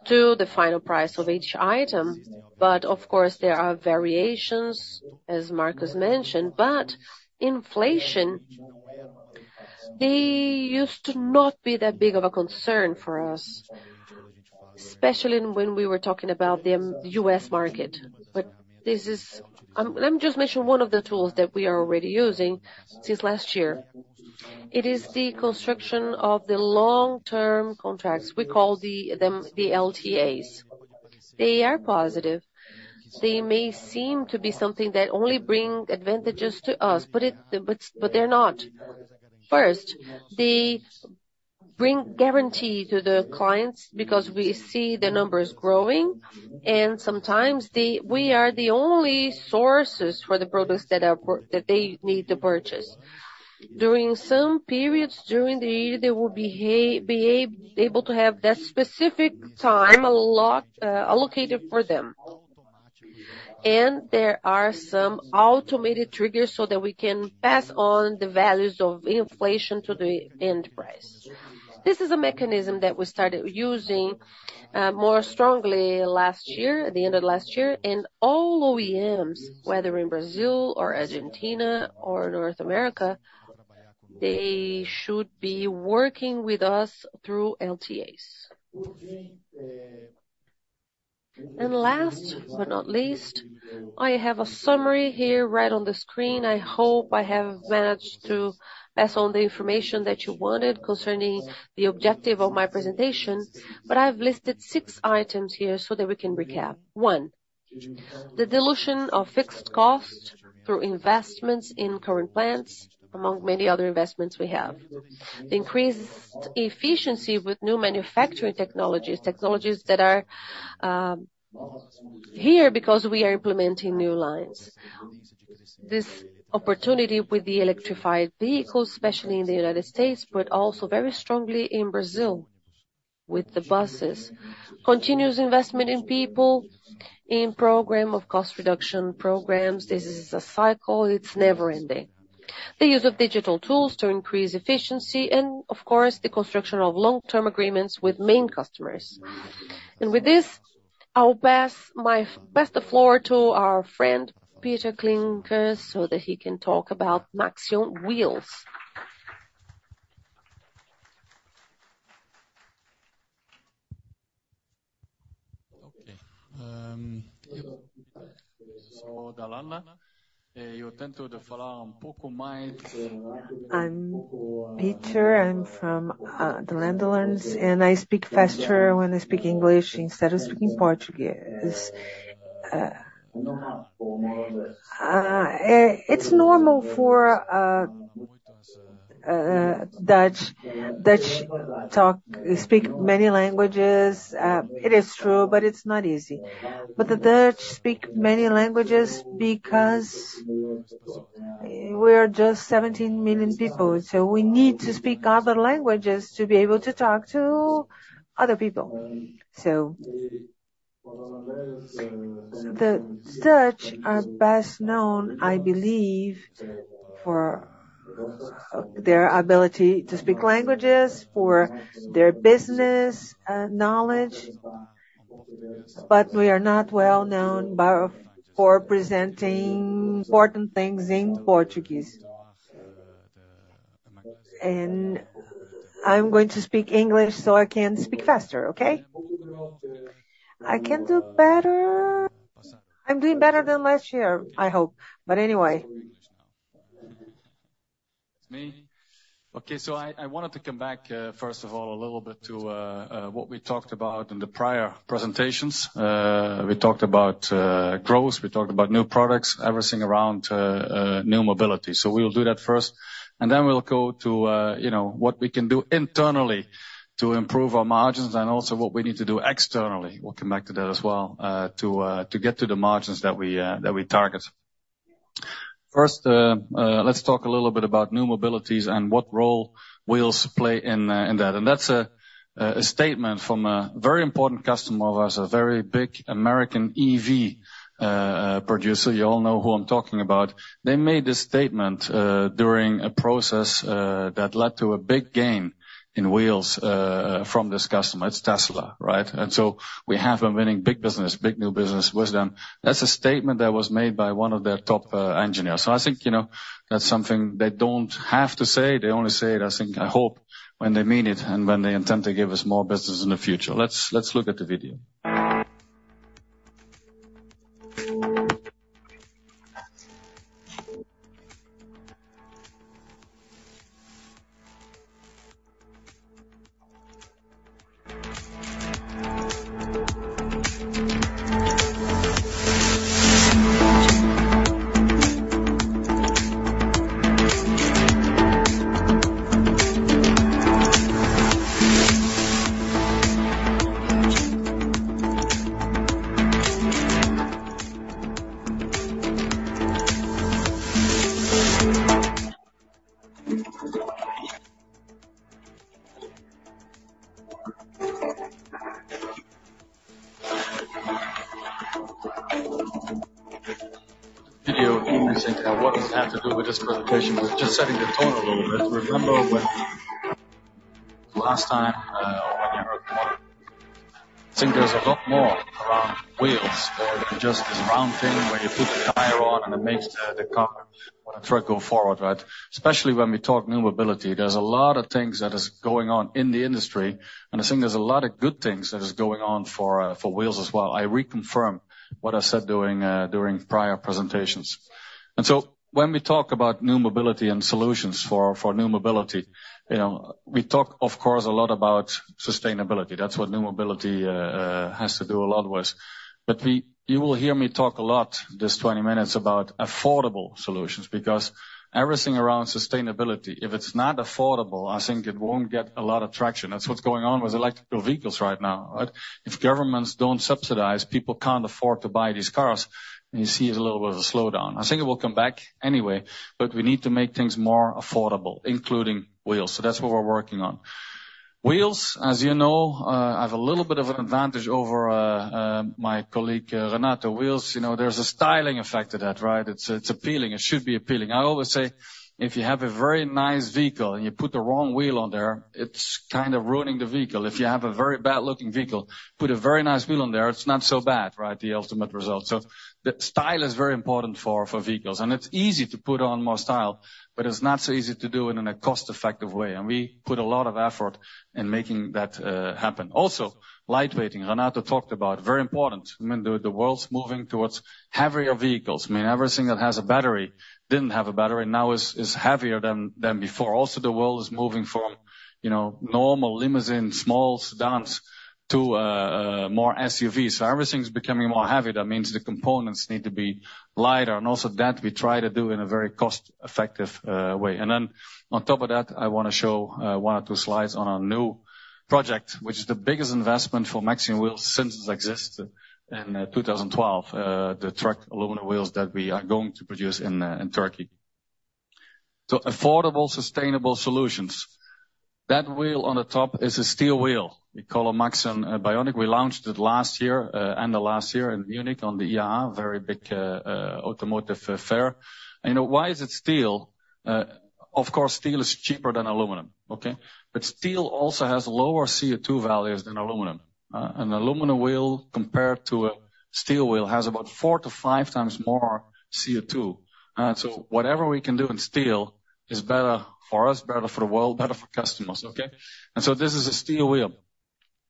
to the final price of each item. But of course, there are variations, as Marcos mentioned. But inflation, they used to not be that big of a concern for us, especially when we were talking about the U.S. market. But I'm just mentioning one of the tools that we are already using since last year. It is the construction of the long-term contracts. We call them the LTAs. They are positive. They may seem to be something that only brings advantages to us, but they're not. First, they bring guarantee to the clients because we see the numbers growing. Sometimes, we are the only sources for the products that they need to purchase. During some periods during the year, they will be able to have that specific time allocated for them. There are some automated triggers so that we can pass on the values of inflation to the end price. This is a mechanism that we started using more strongly last year, at the end of last year. All OEMs, whether in Brazil or Argentina or North America, they should be working with us through LTAs. Last but not least, I have a summary here right on the screen. I hope I have managed to pass on the information that you wanted concerning the objective of my presentation. I've listed six items here so that we can recap. One, the dilution of fixed costs through investments in current plants, among many other investments we have. The increased efficiency with new manufacturing technologies, technologies that are here because we are implementing new lines. This opportunity with the electrified vehicles, especially in the United States, but also very strongly in Brazil with the buses. Continuous investment in people, in program of cost reduction programs. This is a cycle. It's never-ending. The use of digital tools to increase efficiency and, of course, the construction of long-term agreements with main customers. With this, I'll pass the floor to our friend, Pieter Klinkers, so that he can talk about Maxion Wheels. I'm Pieter. I'm from the Netherlands. I speak faster when I speak English instead of speaking Portuguese. It's normal for Dutch to speak many languages. It is true, but it's not easy. The Dutch speak many languages because we are just 17 million people. We need to speak other languages to be able to talk to other people. The Dutch are best known, I believe, for their ability to speak languages, for their business knowledge. We are not well known for presenting important things in Portuguese. I'm going to speak English so I can speak faster, okay? I can do better. I'm doing better than last year, I hope. Anyway. Okay. So I wanted to come back, first of all, a little bit to what we talked about in the prior presentations. We talked about growth. We talked about new products, everything around new mobility. So we will do that first. And then we'll go to what we can do internally to improve our margins and also what we need to do externally. We'll come back to that as well to get to the margins that we target. First, let's talk a little bit about new mobilities and what role wheels play in that. And that's a statement from a very important customer of ours, a very big American EV producer. You all know who I'm talking about. They made this statement during a process that led to a big gain in wheels from this customer. It's Tesla, right? And so we have been winning big business, big new business with them. That's a statement that was made by one of their top engineers. I think that's something they don't have to say. They only say it, I hope, when they mean it and when they intend to give us more business in the future. Let's look at the video. Video team recently. What does that have to do with this presentation? Just setting the tone a little bit. Remember last time when you heard the motor? I think there's a lot more around wheels more than just this round thing where you put the tire on and it makes the car want to try to go forward, right? Especially when we talk new mobility, there's a lot of things that is going on in the industry. And I think there's a lot of good things that is going on for wheels as well. I reconfirm what I said during prior presentations. And so when we talk about new mobility and solutions for new mobility, we talk, of course, a lot about sustainability. That's what new mobility has to do a lot with. But you will hear me talk a lot this 20 minutes about affordable solutions because everything around sustainability, if it's not affordable, I think it won't get a lot of traction. That's what's going on with electric vehicles right now, right? If governments don't subsidize, people can't afford to buy these cars. And you see it's a little bit of a slowdown. I think it will come back anyway. But we need to make things more affordable, including wheels. So that's what we're working on. Wheels, as you know, I have a little bit of an advantage over my colleague, Renato. Wheels, there's a styling effect to that, right? It's appealing. It should be appealing. I always say, if you have a very nice vehicle and you put the wrong wheel on there, it's kind of ruining the vehicle. If you have a very bad-looking vehicle, put a very nice wheel on there, it's not so bad, right, the ultimate result. So the style is very important for vehicles. And it's easy to put on more style, but it's not so easy to do it in a cost-effective way. And we put a lot of effort in making that happen. Also, lightweighting, Renato talked about, very important. I mean, the world's moving towards heavier vehicles. I mean, everything that has a battery didn't have a battery. Now it's heavier than before. Also, the world is moving from normal limousines, small sedans, to more SUVs. So everything's becoming more heavy. That means the components need to be lighter. And also that we try to do in a very cost-effective way. Then on top of that, I want to show one or two slides on our new project, which is the biggest investment for Maxion Wheels since it exists in 2012, the truck aluminum wheels that we are going to produce in Turkey. So affordable, sustainable solutions. That wheel on the top is a steel wheel. We call it Maxion Bionic. We launched it last year and the last year in Munich on the IAA, very big automotive fair. And why is it steel? Of course, steel is cheaper than aluminum, okay? But steel also has lower CO2 values than aluminum. An aluminum wheel, compared to a steel wheel, has about 4-5 times more CO2. So whatever we can do in steel is better for us, better for the world, better for customers, okay? And so this is a steel wheel.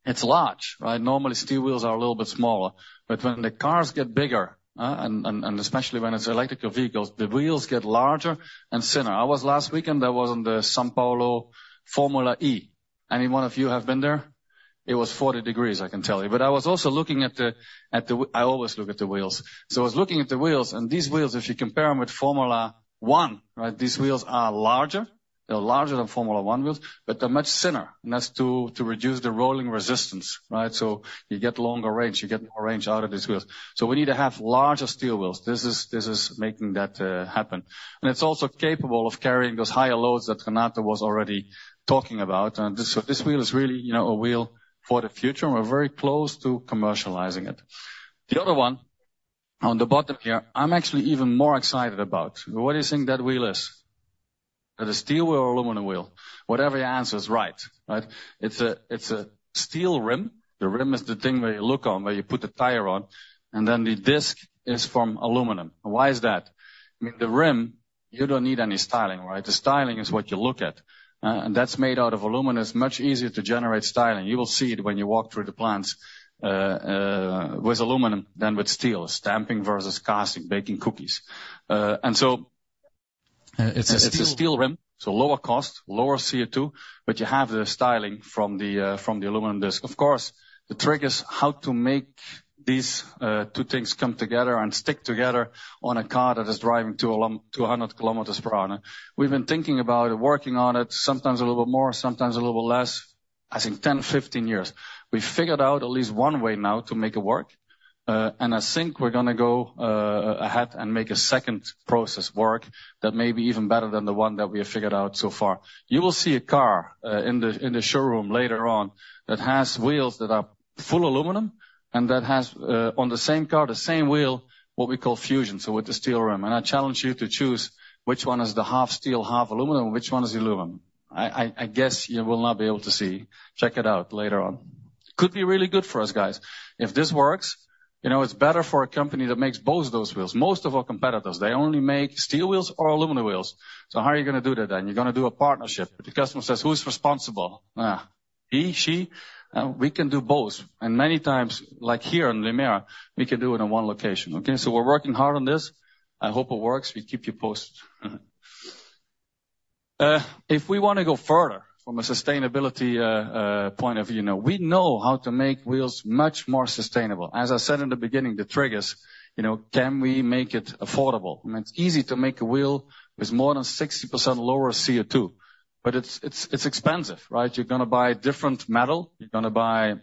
It's large, right? Normally, steel wheels are a little bit smaller. But when the cars get bigger, and especially when it's electric vehicles, the wheels get larger and thinner. Last weekend, I was at the São Paulo Formula E. Has any one of you been there? It was 40 degrees Celsius, I can tell you. But I was also looking at the wheels. I always look at the wheels. So I was looking at the wheels. And these wheels, if you compare them with Formula One, right, these wheels are larger. They're larger than Formula One wheels, but they're much thinner and that's to reduce the rolling resistance, right? So you get longer range. You get more range out of these wheels. So we need to have larger steel wheels. This is making that happen. And it's also capable of carrying those higher loads that Renato was already talking about. So this wheel is really a wheel for the future. We're very close to commercializing it. The other one on the bottom here, I'm actually even more excited about. What do you think that wheel is? Is it a steel wheel or aluminum wheel? Whatever your answer is, right, right? It's a steel rim. The rim is the thing where you look on, where you put the tire on. And then the disc is from aluminum. Why is that? I mean, the rim, you don't need any styling, right? The styling is what you look at. And that's made out of aluminum. It's much easier to generate styling. You will see it when you walk through the plants with aluminum than with steel, stamping versus casting, baking cookies. And so it's a steel rim. So lower cost, lower CO2, but you have the styling from the aluminum disc. Of course, the trick is how to make these two things come together and stick together on a car that is driving 200 km per hour. We've been thinking about it, working on it, sometimes a little bit more, sometimes a little bit less, I think, 10, 15 years. We figured out at least one way now to make it work. I think we're going to go ahead and make a second process work that may be even better than the one that we have figured out so far. You will see a car in the showroom later on that has wheels that are full aluminum and that has on the same car, the same wheel, what we call fusion, so with the steel rim. I challenge you to choose which one is the half steel, half aluminum, which one is aluminum. I guess you will not be able to see. Check it out later on. Could be really good for us, guys. If this works, it's better for a company that makes both those wheels. Most of our competitors, they only make steel wheels or aluminum wheels. So how are you going to do that then? You're going to do a partnership. But the customer says, "Who's responsible?" He, she. We can do both. And many times, like here in Limeira, we can do it in one location, okay? So we're working hard on this. I hope it works. We keep you posted. If we want to go further from a sustainability point of view, we know how to make wheels much more sustainable. As I said in the beginning, the trigger is, can we make it affordable? I mean, it's easy to make a wheel with more than 60% lower CO2. But it's expensive, right? You're going to buy different metal. You're going to buy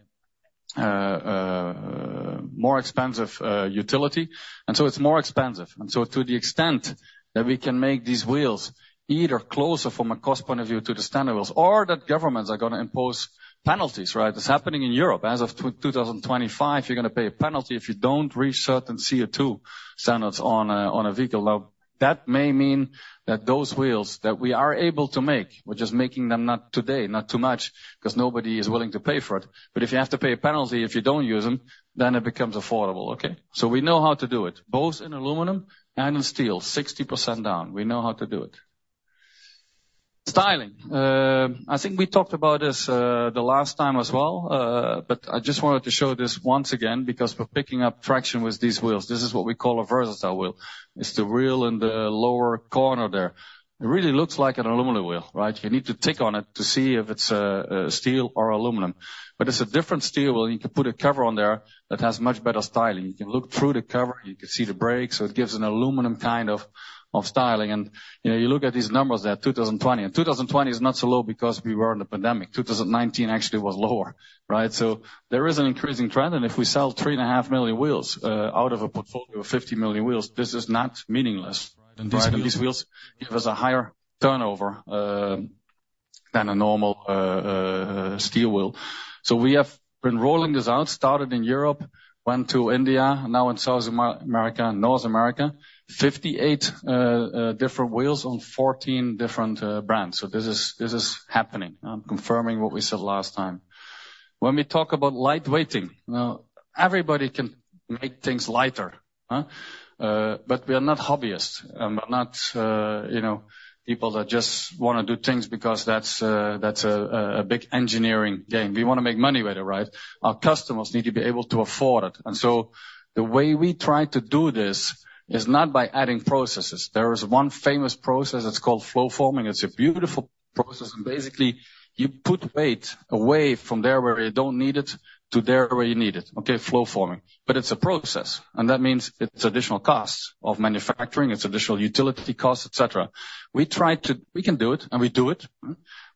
more expensive utility. And so it's more expensive. And so to the extent that we can make these wheels either closer from a cost point of view to the standard wheels or that governments are going to impose penalties, right? It's happening in Europe. As of 2025, you're going to pay a penalty if you don't reach certain CO2 standards on a vehicle. Now, that may mean that those wheels that we are able to make, we're just making them not today, not too much because nobody is willing to pay for it. But if you have to pay a penalty if you don't use them, then it becomes affordable, okay? So we know how to do it, both in aluminum and in steel, 60% down. We know how to do it. Styling. I think we talked about this the last time as well. But I just wanted to show this once again because we're picking up traction with these wheels. This is what we call a VersaStyle wheel, is the wheel in the lower corner there. It really looks like an aluminum wheel, right? You need to tick on it to see if it's steel or aluminum. But it's a different steel wheel. You can put a cover on there that has much better styling. You can look through the cover. You can see the brakes. So it gives an aluminum kind of styling. And you look at these numbers there, 2020. And 2020 is not so low because we were in the pandemic. 2019 actually was lower, right? So there is an increasing trend. And if we sell 3.5 million wheels out of a portfolio of 50 million wheels, this is not meaningless, right? And these wheels give us a higher turnover than a normal steel wheel. So we have been rolling this out, started in Europe, went to India, now in South America, North America, 58 different wheels on 14 different brands. So this is happening. I'm confirming what we said last time. When we talk about lightweighting, now, everybody can make things lighter. But we are not hobbyists. We're not people that just want to do things because that's a big engineering game. We want to make money with it, right? Our customers need to be able to afford it. And so the way we try to do this is not by adding processes. There is one famous process. It's called flow-forming. It's a beautiful process. Basically, you put weight away from there where you don't need it to there where you need it, okay? Flow-forming. But it's a process. And that means it's additional costs of manufacturing. It's additional utility costs, etc. We can do it and we do it.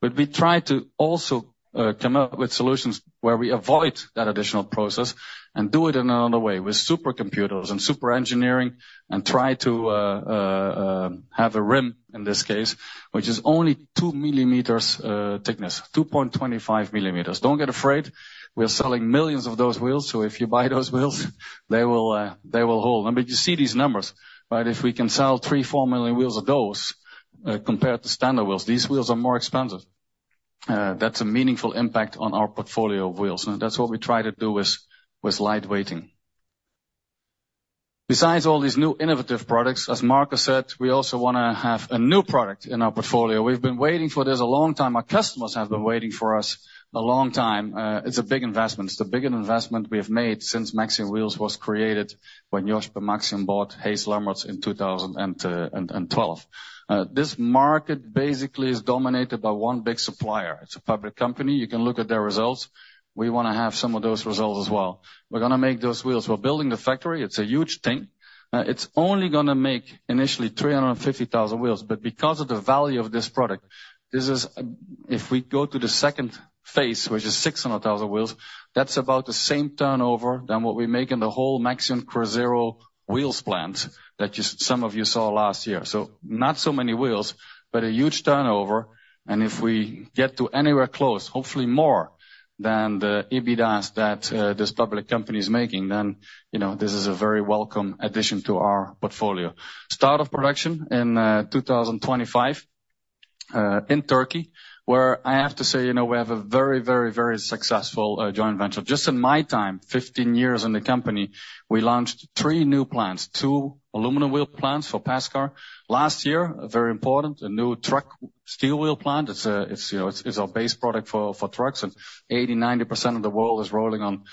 But we try to also come up with solutions where we avoid that additional process and do it in another way with supercomputers and super engineering and try to have a rim, in this case, which is only 2 millimeters thickness, 2.25 millimeters. Don't get afraid. We're selling millions of those wheels. So if you buy those wheels, they will hold. I mean, you see these numbers, right? If we can sell 3-4 million wheels of those compared to standard wheels, these wheels are more expensive. That's a meaningful impact on our portfolio of wheels. That's what we try to do with lightweighting. Besides all these new innovative products, as Marcos said, we also want to have a new product in our portfolio. We've been waiting for this a long time. Our customers have been waiting for us a long time. It's a big investment. It's the biggest investment we have made since Maxion Wheels was created when Iochpe-Maxion bought Hayes Lemmerz in 2012. This market basically is dominated by one big supplier. It's a public company. You can look at their results. We want to have some of those results as well. We're going to make those wheels. We're building the factory. It's a huge thing. It's only going to make initially 350,000 wheels. But because of the value of this product, if we go to the second phase, which is 600,000 wheels, that's about the same turnover than what we make in the whole Maxion Cruzeiro wheels plants that some of you saw last year. So not so many wheels, but a huge turnover. And if we get to anywhere close, hopefully more than the EBITDA that this public company is making, then this is a very welcome addition to our portfolio. Start of production in 2025 in Turkey, where I have to say we have a very, very, very successful joint venture. Just in my time, 15 years in the company, we launched three new plants, two aluminum wheel plants for PACCAR. Last year, very important, a new truck steel wheel plant. It's our base product for trucks. And 80%-90% of the world is rolling on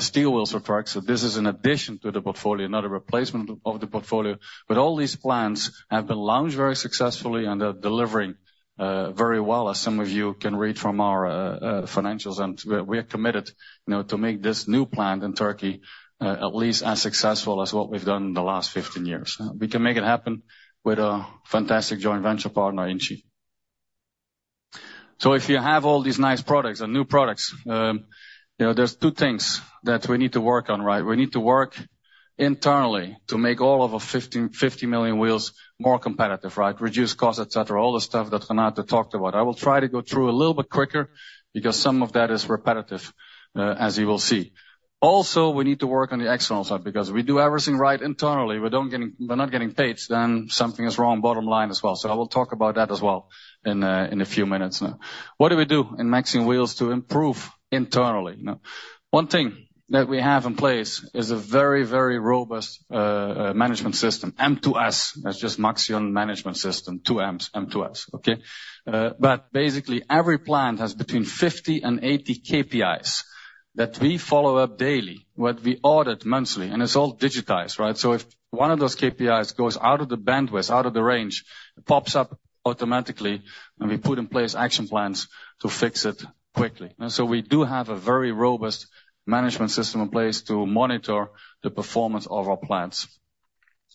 steel wheels for trucks. So this is an addition to the portfolio, not a replacement of the portfolio. But all these plants have been launched very successfully and they're delivering very well, as some of you can read from our financials. And we are committed to make this new plant in Turkey at least as successful as what we've done in the last 15 years. We can make it happen with a fantastic joint venture partner, Inci. So if you have all these nice products and new products, there's two things that we need to work on, right? We need to work internally to make all of our 50 million wheels more competitive, right? Reduce costs, etc., all the stuff that Renato talked about. I will try to go through a little bit quicker because some of that is repetitive, as you will see. Also, we need to work on the external side because we do everything right internally. We're not getting paid, then something is wrong, bottom line as well. So I will talk about that as well in a few minutes now. What do we do in Maxion Wheels to improve internally? One thing that we have in place is a very, very robust management system, M2S. That's just Maxion Management System, two Ms, M2S, okay? But basically, every plant has between 50 and 80 KPIs that we follow up daily, what we audit monthly. And it's all digitized, right? So if one of those KPIs goes out of the bandwidth, out of the range, it pops up automatically. And we put in place action plans to fix it quickly. So we do have a very robust management system in place to monitor the performance of our plants.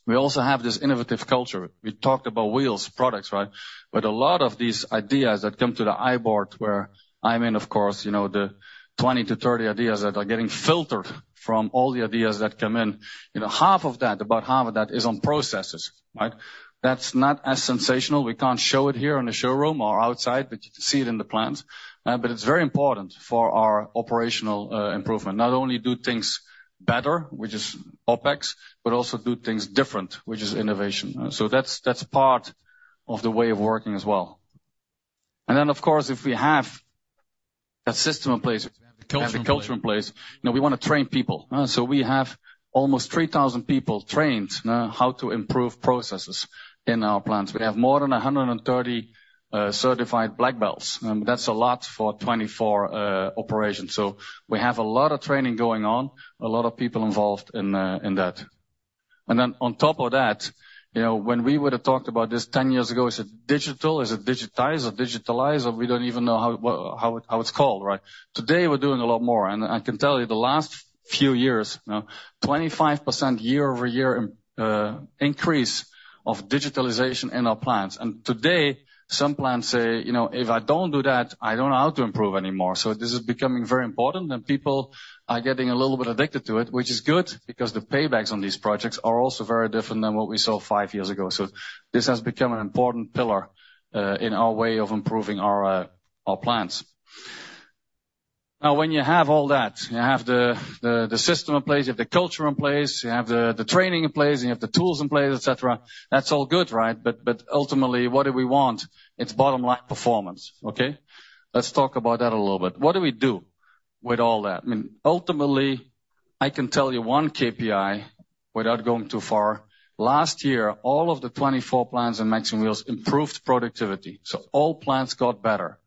We also have this innovative culture. We talked about wheels, products, right? But a lot of these ideas that come to the iBoard, where I'm in, of course, the 20-30 ideas that are getting filtered from all the ideas that come in, half of that, about half of that is on processes, right? That's not as sensational. We can't show it here in the showroom or outside, but you can see it in the plants. But it's very important for our operational improvement, not only do things better, which is OPEX, but also do things different, which is innovation. So that's part of the way of working as well. And then, of course, if we have that system in place and the culture in place, we want to train people. So we have almost 3,000 people trained how to improve processes in our plants. We have more than 130 certified black belts. That's a lot for 24 operations. So we have a lot of training going on, a lot of people involved in that. And then on top of that, when we would have talked about this 10 years ago, is it digital, is it digitized, or digitalized, or we don't even know how it's called, right? Today, we're doing a lot more. And I can tell you the last few years, 25% year-over-year increase of digitalization in our plants. And today, some plants say, "If I don't do that, I don't know how to improve anymore." So this is becoming very important. And people are getting a little bit addicted to it, which is good because the paybacks on these projects are also very different than what we saw five years ago. So this has become an important pillar in our way of improving our plants. Now, when you have all that, you have the system in place, you have the culture in place, you have the training in place, and you have the tools in place, etc., that's all good, right? But ultimately, what do we want? It's bottom line performance, okay? Let's talk about that a little bit. What do we do with all that? I mean, ultimately, I can tell you one KPI without going too far. Last year, all of the 24 plants in Maxion Wheels improved productivity. So all plants got better.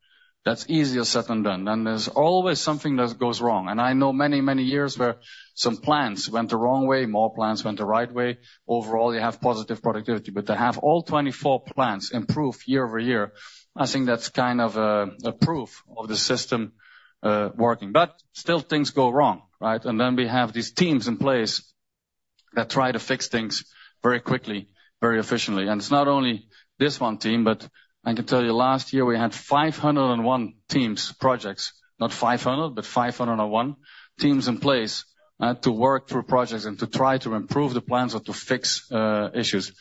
That's easier said than done. And there's always something that goes wrong. And I know many, many years where some plants went the wrong way, more plants went the right way. Overall, you have positive productivity. But to have all 24 plants improve year-over-year, I think that's kind of a proof of the system working. But still, things go wrong, right? And then we have these teams in place that try to fix things very quickly, very efficiently. And it's not only this one team, but I can tell you last year we had 501 teams, projects, not 500 but 501 teams in place to work through projects and to try to improve the plans or to fix issues.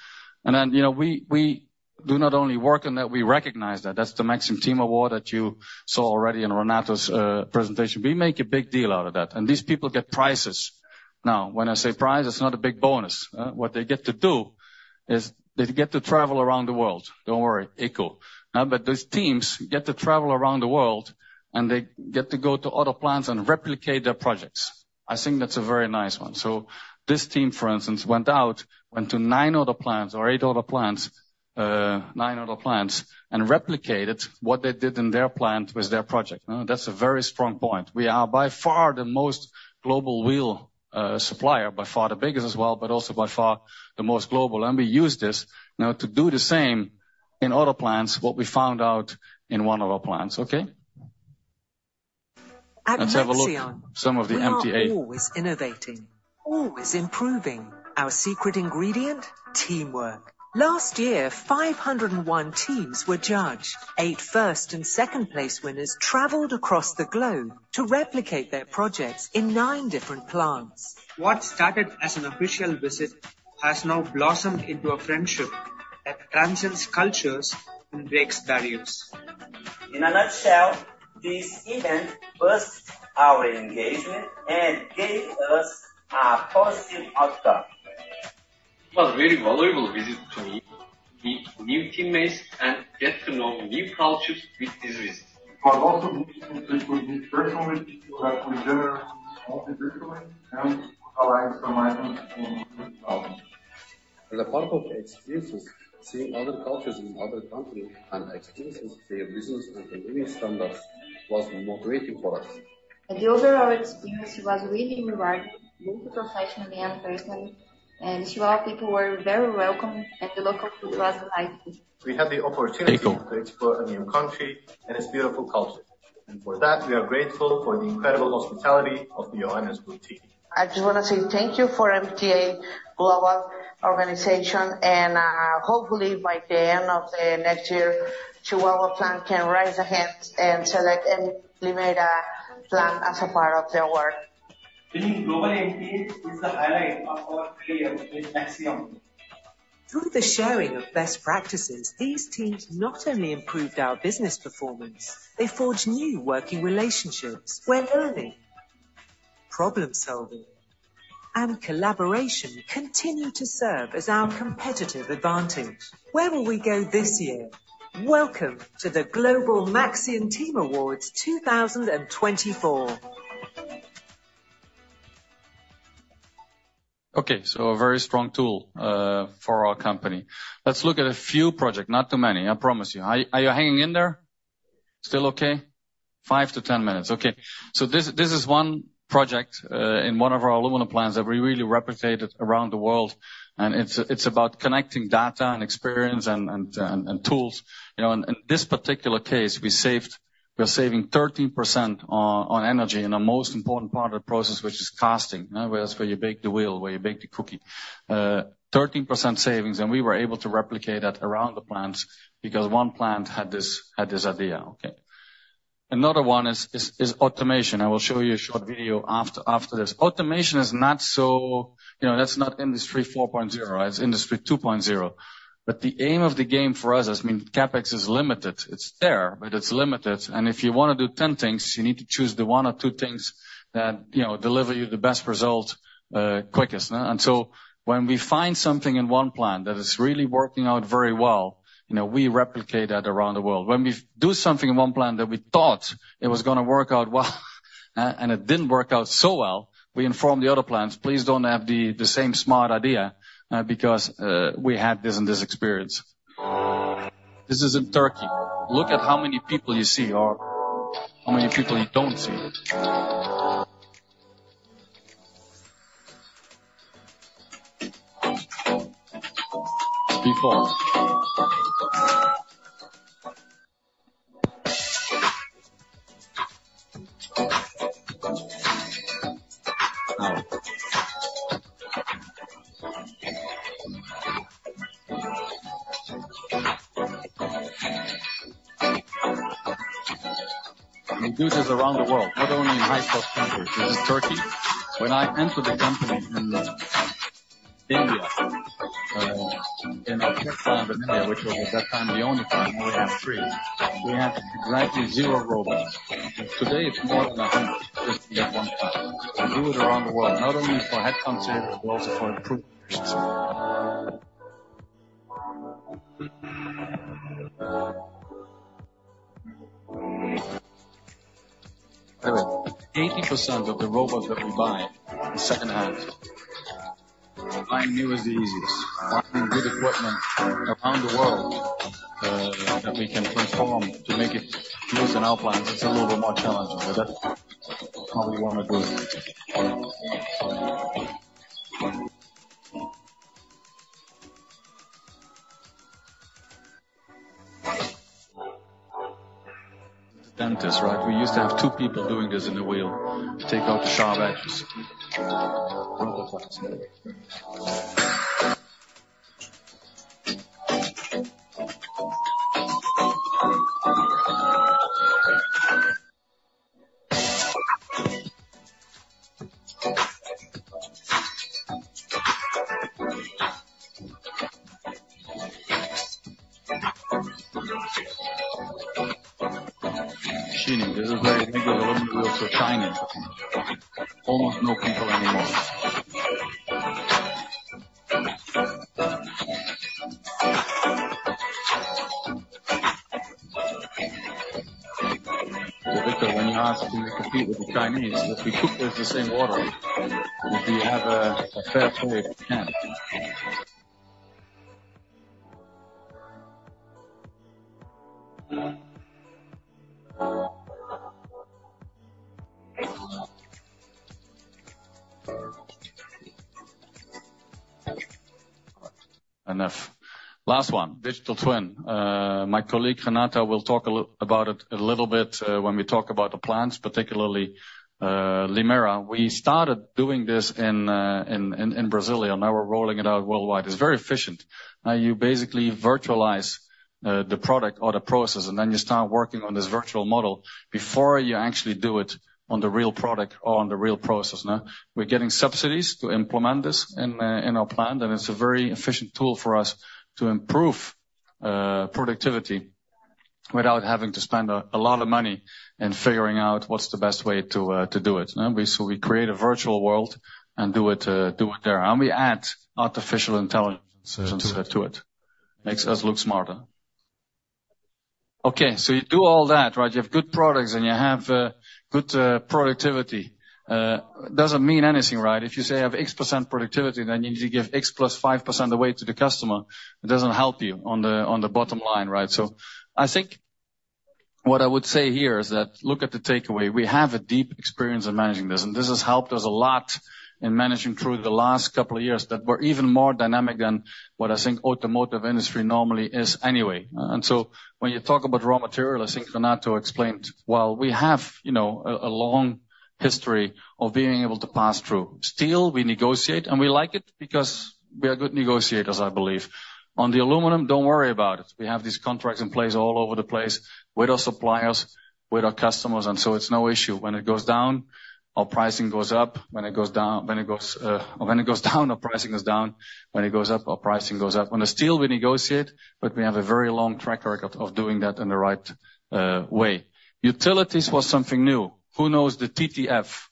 And then we do not only work on that, we recognize that. That's the Maxion Team Award that you saw already in Renato's presentation. We make a big deal out of that. And these people get prizes. Now, when I say prize, it's not a big bonus. What they get to do is they get to travel around the world. Don't worry, ECO. But these teams get to travel around the world and they get to go to other plants and replicate their projects. I think that's a very nice one. So this team, for instance, went out, went to nine other plants or eight other plants, nine other plants, and replicated what they did in their plant with their project. That's a very strong point. We are by far the most global wheel supplier, by far the biggest as well, but also by far the most global. And we use this now to do the same in other plants, what we found out in one of our plants, okay? Let's have a look at some of the MTA. We are always innovating, always improving. Our secret ingredient? Teamwork. Last year, 501 teams were judged. Eight first and second place winners traveled across the globe to replicate their projects in nine different plants. What started as an official visit has now blossomed into a friendship that transcends cultures and breaks barriers. In a nutshell, this event boosted our engagement and gave us a positive outcome. It was a very valuable visit to me. Meet new teammates and get to know new cultures with this visit. It was also good to meet personally people that we generally only virtually and would align information on. With the crowd. As a part of the experiences, seeing other cultures in other countries and experiencing their business and the living standards was motivating for us. The overall experience was really rewarding, both professionally and personally. The Chakan people were very welcoming and the local food was delightful. We had the opportunity to explore a new country and its beautiful culture. For that, we are grateful for the incredible hospitality of the Johannesburg team. I just want to say thank you for MTA, global organization. Hopefully, by the end of next year, Chakan plant can raise a hand and select and nominate a plant as a part of their work. Being global MTA is the highlight of our career with Maxion. Through the sharing of best practices, these teams not only improved our business performance, they forged new working relationships where learning, problem-solving, and collaboration continue to serve as our competitive advantage. Where will we go this year? Welcome to the Global Maxion Team Awards 2024. Okay. So a very strong tool for our company. Let's look at a few projects, not too many, I promise you. Are you hanging in there? Still okay? 5-10 minutes. Okay. So this is one project in one of our aluminum plants that we really replicated around the world. It's about connecting data and experience and tools. In this particular case, we're saving 13% on energy in the most important part of the process, which is casting, where you bake the wheel, where you bake the cookie. 13% savings. We were able to replicate that around the plants because one plant had this idea, okay? Another one is automation. I will show you a short video after this. Automation is not, so that's not Industry 4.0, right? It's Industry 2.0. But the aim of the game for us, I mean, CapEx is limited. It's there, but it's limited. And if you want to do 10 things, you need to choose the one or two things that deliver you the best result quickest. And so when we find something in one plant that is really working out very well, we replicate that around the world. When we do something in one plant that we thought it was going to work out well and it didn't work out so well, we inform the other plants, "Please don't have the same smart idea because we had this and this experience." This is in Turkey. Look at how many people you see or how many people you don't see. Before. Now. We do this around the world, not only in high-cost countries. This is Turkey. When I entered the company in India, in our tech plant in India, which was at that time the only plant, now we have three, we had exactly zero robots. Today, it's more than 100 just in that one plant. We do it around the world, not only for headcount but also for improvements. Anyway, 80% of the robots that we buy are secondhand. Buying new is the easiest. Finding good equipment around the world that we can perform to make it use in our plants, it's a little bit more challenging, but that's how we want to do it. The deburrer, right? We used to have two people doing this in the wheel to take out the sharp edges. Robot flats. Machining. This is where you make those aluminum wheels for China. Almost no people anymore. So Victor, when you asked can we compete with the Chinese, if we cook, there's the same water. If you have a fair play, you can. Enough. Last one, digital twin. My colleague Renato will talk about it a little bit when we talk about the plants, particularly Limeira. We started doing this in Brazil, and now we're rolling it out worldwide. It's very efficient. You basically virtualize the product or the process, and then you start working on this virtual model before you actually do it on the real product or on the real process. We're getting subsidies to implement this in our plant, and it's a very efficient tool for us to improve productivity without having to spend a lot of money and figuring out what's the best way to do it. So we create a virtual world and do it there. And we add artificial intelligence into that too. It makes us look smarter. Okay. So you do all that, right? You have good products, and you have good productivity. It doesn't mean anything, right? If you say you have X% productivity, then you need to give X + 5% away to the customer. It doesn't help you on the bottom line, right? So, I think what I would say here is that look at the takeaway. We have a deep experience in managing this, and this has helped us a lot in managing through the last couple of years that we're even more dynamic than what I think automotive industry normally is anyway. And so when you talk about raw material, I think Renato explained, "Well, we have a long history of being able to pass through. Steel, we negotiate, and we like it because we are good negotiators, I believe. On the aluminum, don't worry about it. We have these contracts in place all over the place with our suppliers, with our customers, and so it's no issue. When it goes down, our pricing goes up. When it goes down or when it goes down, our pricing goes down. When it goes up, our pricing goes up. On the steel, we negotiate, but we have a very long track record of doing that in the right way. Utilities was something new. Who knows the TTF?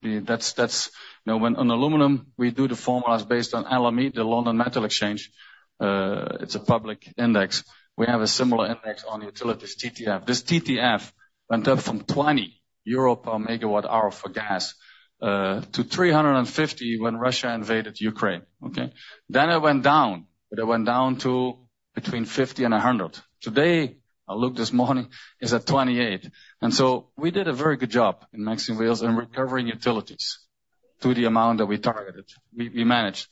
When on aluminum, we do the formulas based on LME, the London Metal Exchange. It's a public index. We have a similar index on utilities, TTF. This TTF went up from €20 per megawatt-hour for gas to €350 when Russia invaded Ukraine, okay? Then it went down, but it went down to between €50 and €100. Today, I looked this morning, it's at €28. And so we did a very good job in Maxion Wheels in recovering utilities to the amount that we targeted. We managed.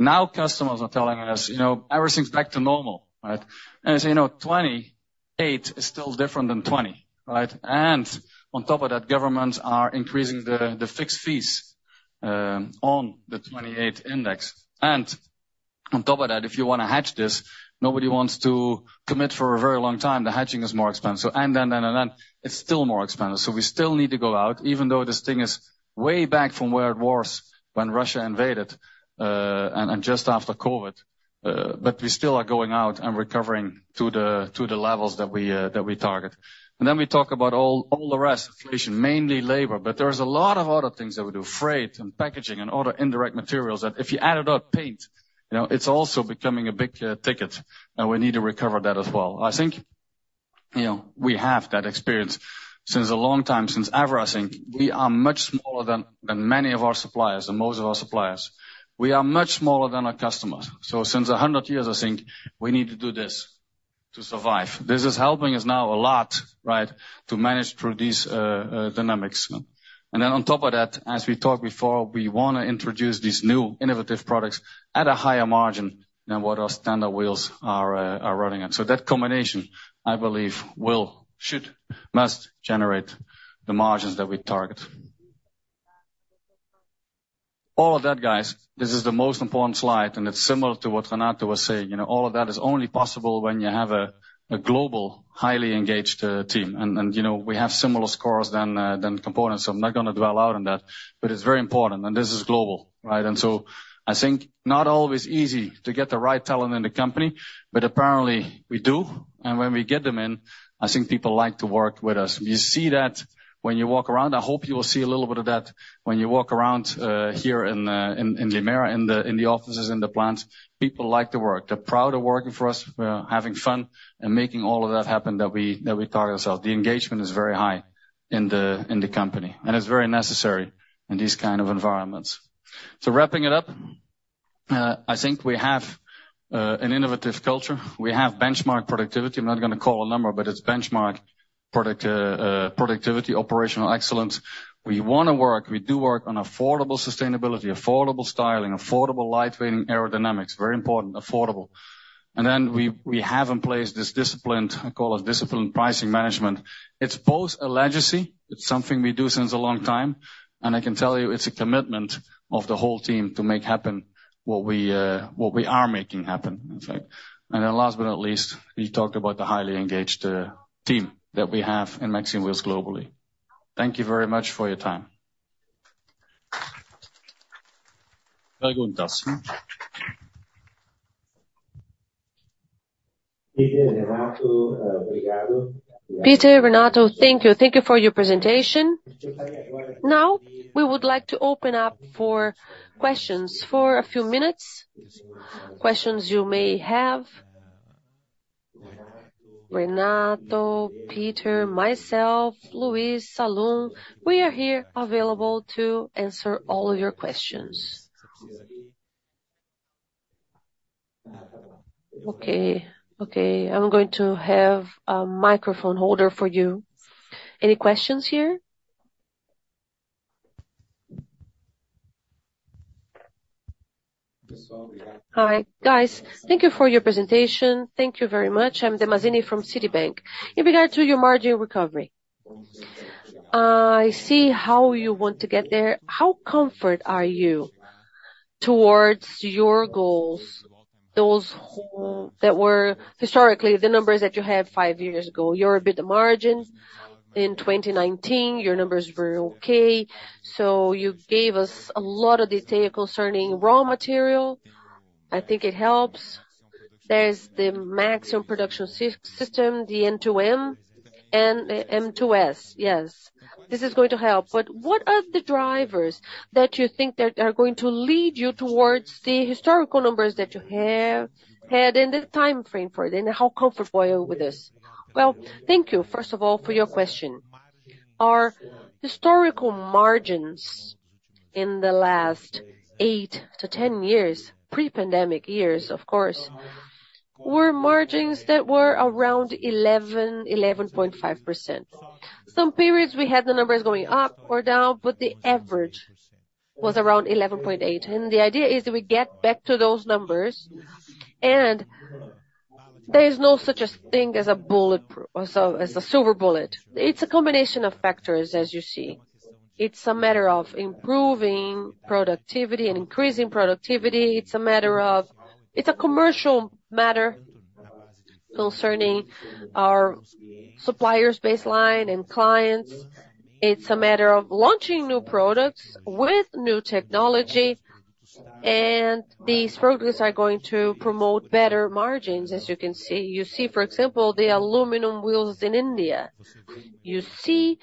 Now, customers are telling us, "Everything's back to normal," right? And I say, "€28 is still different than €20," right? And on top of that, governments are increasing the fixed fees on the €28 index. On top of that, if you want to match this, nobody wants to commit for a very long time. The matching is more expensive. And then it's still more expensive. So we still need to go out even though this thing is way back from where it was when Russia invaded and just after COVID. But we still are going out and recovering to the levels that we target. And then we talk about all the rest, inflation, mainly labor. But there's a lot of other things that we do: freight and packaging and other indirect materials that if you add it up, paint, it's also becoming a big ticket, and we need to recover that as well. I think we have that experience for a long time, since ever. I think we are much smaller than many of our suppliers and most of our suppliers. We are much smaller than our customers. So since 100 years, I think we need to do this to survive. This is helping us now a lot, right, to manage through these dynamics. And then on top of that, as we talked before, we want to introduce these new innovative products at a higher margin than what our standard wheels are running at. So that combination, I believe, should, must generate the margins that we target. All of that, guys, this is the most important slide, and it's similar to what Renato was saying. All of that is only possible when you have a global, highly engaged team. And we have similar scores than components, so I'm not going to dwell out on that, but it's very important. And this is global, right? And so I think not always easy to get the right talent in the company, but apparently, we do. And when we get them in, I think people like to work with us. You see that when you walk around. I hope you will see a little bit of that when you walk around here in Limeira, in the offices, in the plants. People like to work. They're proud of working for us, having fun, and making all of that happen that we target ourselves. The engagement is very high in the company, and it's very necessary in these kinds of environments. So wrapping it up, I think we have an innovative culture. We have benchmark productivity. I'm not going to call a number, but it's benchmark productivity, operational excellence. We want to work. We do work on affordable sustainability, affordable styling, affordable lightweighting aerodynamics. Very important. Affordable. And then we have in place this discipline. I call it disciplined pricing management. It's both a legacy. It's something we do since a long time. And I can tell you it's a commitment of the whole team to make happen what we are making happen, in fact. And then last but not least, you talked about the highly engaged team that we have in Maxion Wheels globally. Thank you very much for your time. Very good, Tas. Pieter, Renato, thank you. Thank you for your presentation. Now, we would like to open up for questions for a few minutes. Questions you may have. Renato, Pieter, myself, Luís, Salum. We are here available to answer all of your questions. Okay. Okay. I'm going to have a microphone holder for you. Any questions here? This is all we have. Hi, guys. Thank you for your presentation. Thank you very much. I'm Andre Mazini from Citibank. In regard to your margin recovery, I see how you want to get there. How comforted are you towards your goals, those that were historically the numbers that you had 5 years ago? You were a bit margined. In 2019, your numbers were okay. So you gave us a lot of detail concerning raw material. I think it helps. There's the Maxion production system, the end-to-end, and M2S. Yes. This is going to help. But what are the drivers that you think are going to lead you towards the historical numbers that you had and the timeframe for it? And how comfortable are you with this? Well, thank you, first of all, for your question. Our historical margins in the last 8-10 years, pre-pandemic years, of course, were margins that were around 11.5%. Some periods, we had the numbers going up or down, but the average was around 11.8. The idea is that we get back to those numbers. There is no such thing as a bulletproof, as a silver bullet. It's a combination of factors, as you see. It's a matter of improving productivity and increasing productivity. It's a commercial matter concerning our suppliers' baseline and clients. It's a matter of launching new products with new technology. These products are going to promote better margins, as you can see. You see, for example, the aluminum wheels in India. You see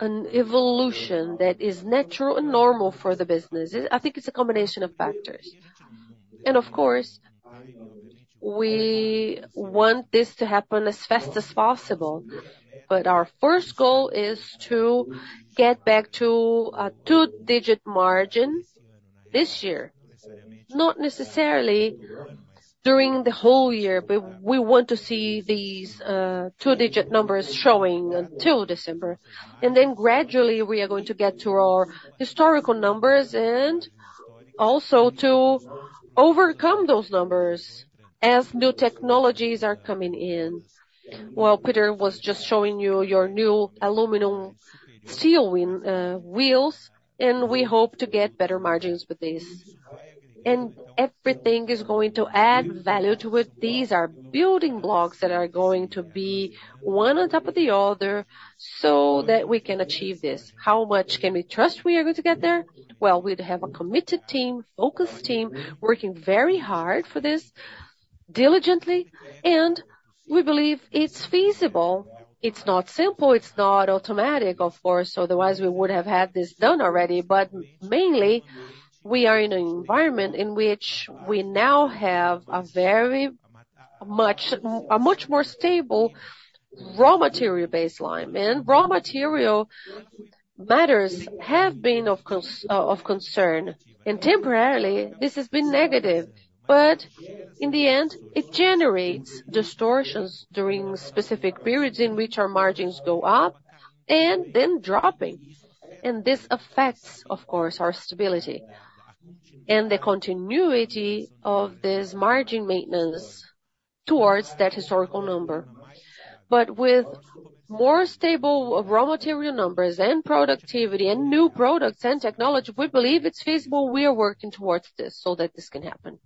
an evolution that is natural and normal for the business. I think it's a combination of factors. Of course, we want this to happen as fast as possible. But our first goal is to get back to a two-digit margin this year. Not necessarily during the whole year, but we want to see these two-digit numbers showing until December. Then gradually, we are going to get to our historical numbers and also to overcome those numbers as new technologies are coming in. Well, Pieter was just showing you your new aluminum steel wheels, and we hope to get better margins with this. And everything is going to add value to it. These are building blocks that are going to be one on top of the other so that we can achieve this. How much can we trust we are going to get there? Well, we'd have a committed team, focused team working very hard for this diligently. And we believe it's feasible. It's not simple. It's not automatic, of course. Otherwise, we would have had this done already. But mainly, we are in an environment in which we now have a much more stable raw material baseline. Raw material matters have been of concern. Temporarily, this has been negative. But in the end, it generates distortions during specific periods in which our margins go up and then dropping. This affects, of course, our stability and the continuity of this margin maintenance towards that historical number. But with more stable raw material numbers and productivity and new products and technology, we believe it's feasible. We are working towards this so that this can happen.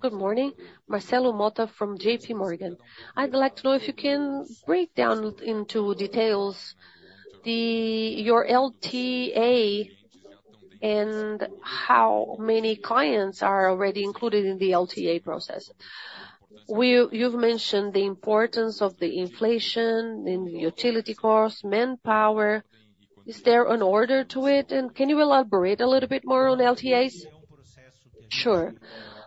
Good morning. Marcelo Motta from JP Morgan. I'd like to know if you can break down into details your LTA and how many clients are already included in the LTA process. You've mentioned the importance of the inflation and the utility costs, manpower. Is there an order to it? And can you elaborate a little bit more on LTAs? Sure.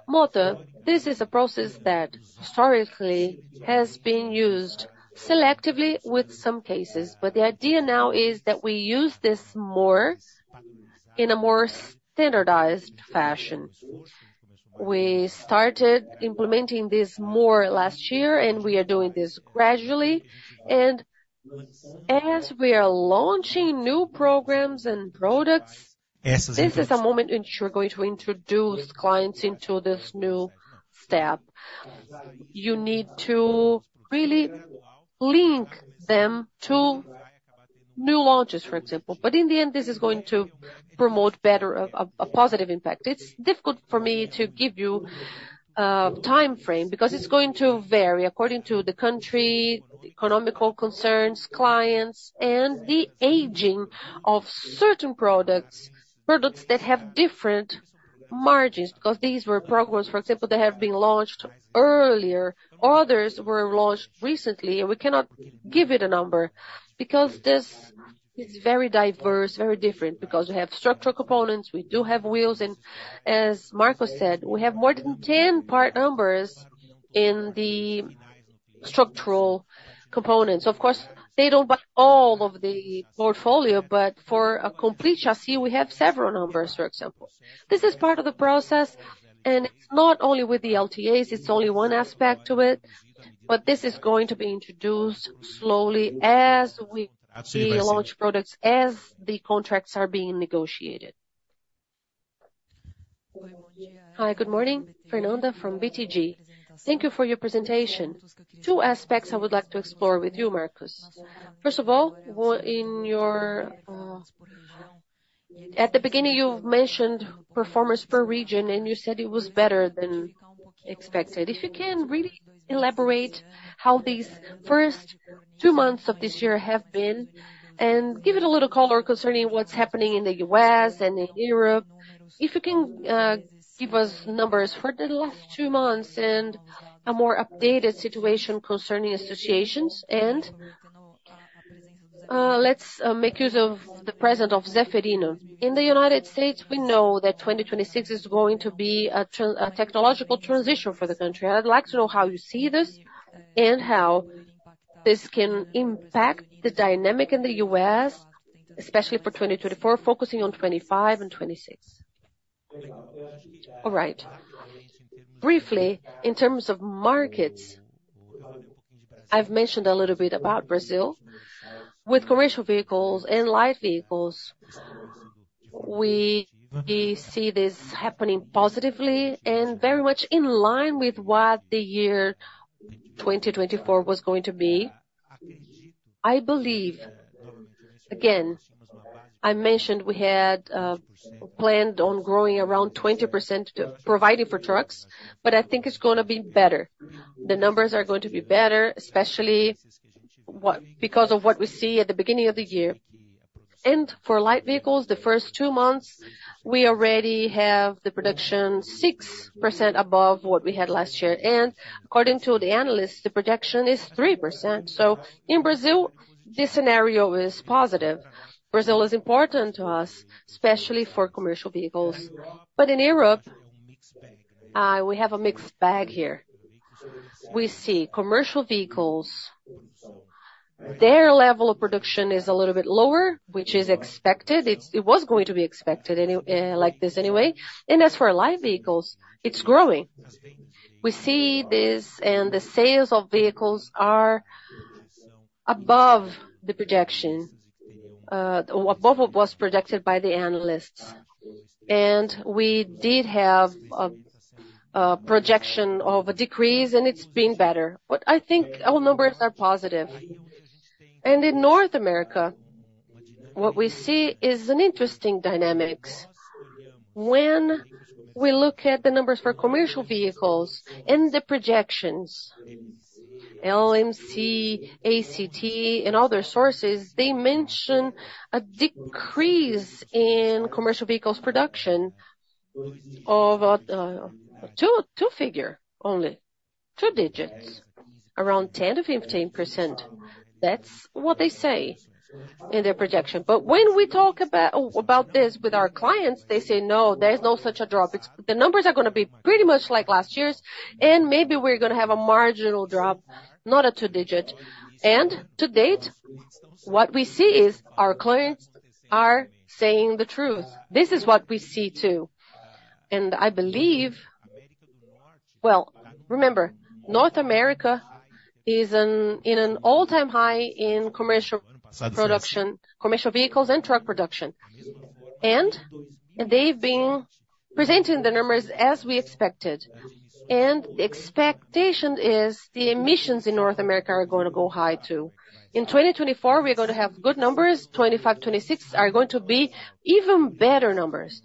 Motta, this is a process that historically has been used selectively with some cases. But the idea now is that we use this more in a more standardized fashion. We started implementing this more last year, and we are doing this gradually. And as we are launching new programs and products, this is a moment in which we're going to introduce clients into this new step. You need to really link them to new launches, for example. But in the end, this is going to promote a positive impact. It's difficult for me to give you a timeframe because it's going to vary according to the country, economic concerns, clients, and the aging of certain products that have different margins because these were programs, for example, that have been launched earlier. Others were launched recently, and we cannot give you the number because this is very diverse, very different because we have structural components. We do have wheels. And as Marcos said, we have more than 10 part numbers in the structural components. Of course, they don't buy all of the portfolio, but for a complete chassis, we have several numbers, for example. This is part of the process. And it's not only with the LTAs. It's only one aspect to it. But this is going to be introduced slowly as we launch products, as the contracts are being negotiated. Hi. Good morning. Fernanda from BTG. Thank you for your presentation. Two aspects I would like to explore with you, Marcos. First of all, at the beginning, you've mentioned performance per region, and you said it was better than expected. If you can really elaborate how these first two months of this year have been and give it a little color concerning what's happening in the U.S. and in Europe? If you can give us numbers for the last two months and a more updated situation concerning associations? Let's make use of the presence of Zeferino. In the United States, we know that 2026 is going to be a technological transition for the country. I'd like to know how you see this and how this can impact the dynamic in the U.S., especially for 2024, focusing on 2025 and 2026. All right. Briefly, in terms of markets, I've mentioned a little bit about Brazil. With commercial vehicles and light vehicles, we see this happening positively and very much in line with what the year 2024 was going to be. I believe, again, I mentioned we had planned on growing around 20% providing for trucks. But I think it's going to be better. The numbers are going to be better, especially because of what we see at the beginning of the year. For light vehicles, the first two months, we already have the production 6% above what we had last year. According to the analysts, the projection is 3%. In Brazil, this scenario is positive. Brazil is important to us, especially for commercial vehicles. But in Europe, we have a mixed bag here. We see commercial vehicles, their level of production is a little bit lower, which is expected. It was going to be expected like this anyway. As for light vehicles, it's growing. We see this, and the sales of vehicles are above the projection or above what was projected by the analysts. We did have a projection of a decrease, and it's been better. But I think all numbers are positive. In North America, what we see is an interesting dynamic. When we look at the numbers for commercial vehicles and the projections, LMC, ACT, and other sources, they mention a decrease in commercial vehicles' production of a two-figure only, two digits, around 10%-15%. That's what they say in their projection. But when we talk about this with our clients, they say, "No, there's no such a drop. The numbers are going to be pretty much like last year's. And maybe we're going to have a marginal drop, not a two-digit." To date, what we see is our clients are saying the truth. This is what we see too. I believe, well, remember, North America is in an all-time high in commercial vehicles and truck production. They've been presenting the numbers as we expected. The expectation is the emissions in North America are going to go high too. In 2024, we are going to have good numbers. 2025, 2026 are going to be even better numbers.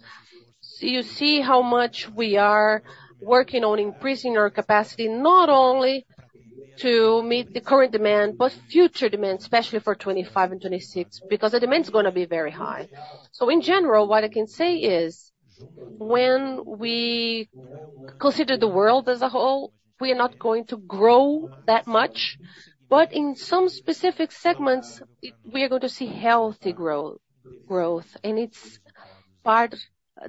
So you see how much we are working on increasing our capacity, not only to meet the current demand but future demand, especially for 2025 and 2026 because the demand's going to be very high. So in general, what I can say is when we consider the world as a whole, we are not going to grow that much. But in some specific segments, we are going to see healthy growth. And it's part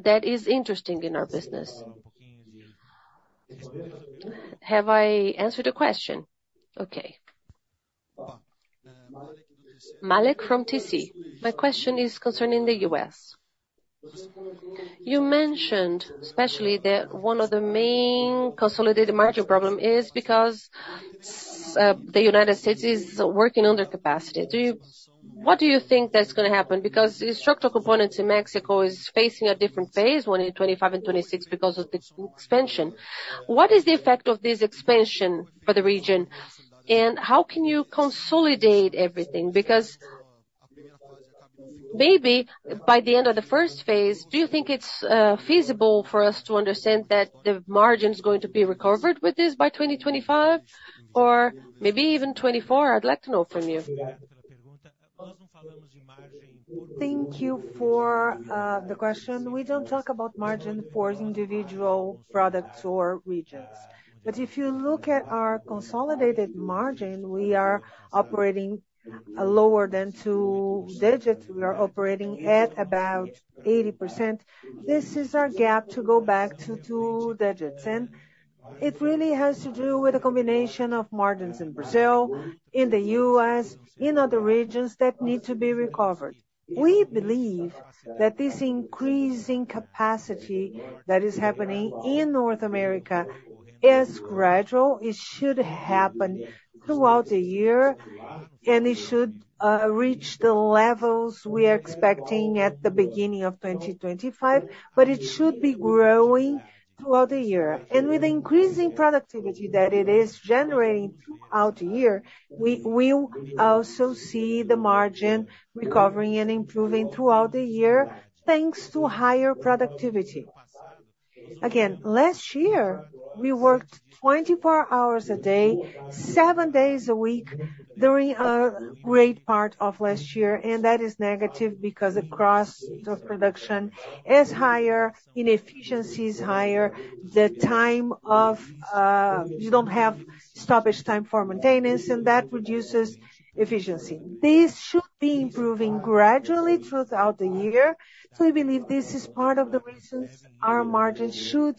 that is interesting in our business. Have I answered your question? Okay. Malek from TC. My question is concerning the U.S. You mentioned, especially, that one of the main consolidated margin problems is because the United States is working under capacity. What do you think that's going to happen? Because the structural components in Mexico are facing a different phase in 2025 and 2026 because of the expansion. What is the effect of this expansion for the region? And how can you consolidate everything? Because maybe by the end of the first phase, do you think it's feasible for us to understand that the margin's going to be recovered with this by 2025 or maybe even 2024? I'd like to know from you. Thank you for the question. We don't talk about margin for individual products or regions. But if you look at our consolidated margin, we are operating lower than two digits. We are operating at about 80%. This is our gap to go back to two digits. It really has to do with a combination of margins in Brazil, in the U.S., in other regions that need to be recovered. We believe that this increasing capacity that is happening in North America is gradual. It should happen throughout the year. It should reach the levels we are expecting at the beginning of 2025. But it should be growing throughout the year. And with the increasing productivity that it is generating throughout the year, we will also see the margin recovering and improving throughout the year thanks to higher productivity. Again, last year, we worked 24 hours a day, 7 days a week during a great part of last year. And that is negative because the cost of production is higher. Inefficiency is higher. You don't have stoppage time for maintenance. And that reduces efficiency. This should be improving gradually throughout the year. So we believe this is part of the reasons our margins should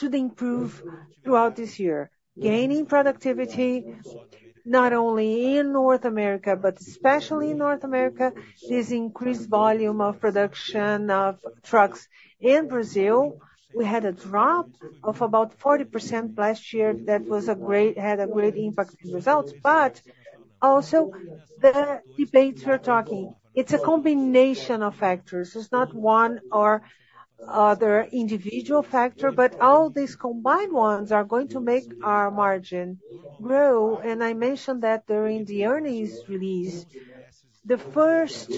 improve throughout this year, gaining productivity not only in North America but especially in North America. This increased volume of production of trucks in Brazil, we had a drop of about 40% last year that had a great impact on results. But also, the debates we're talking, it's a combination of factors. It's not one or other individual factor. But all these combined ones are going to make our margin grow. And I mentioned that during the earnings release, the first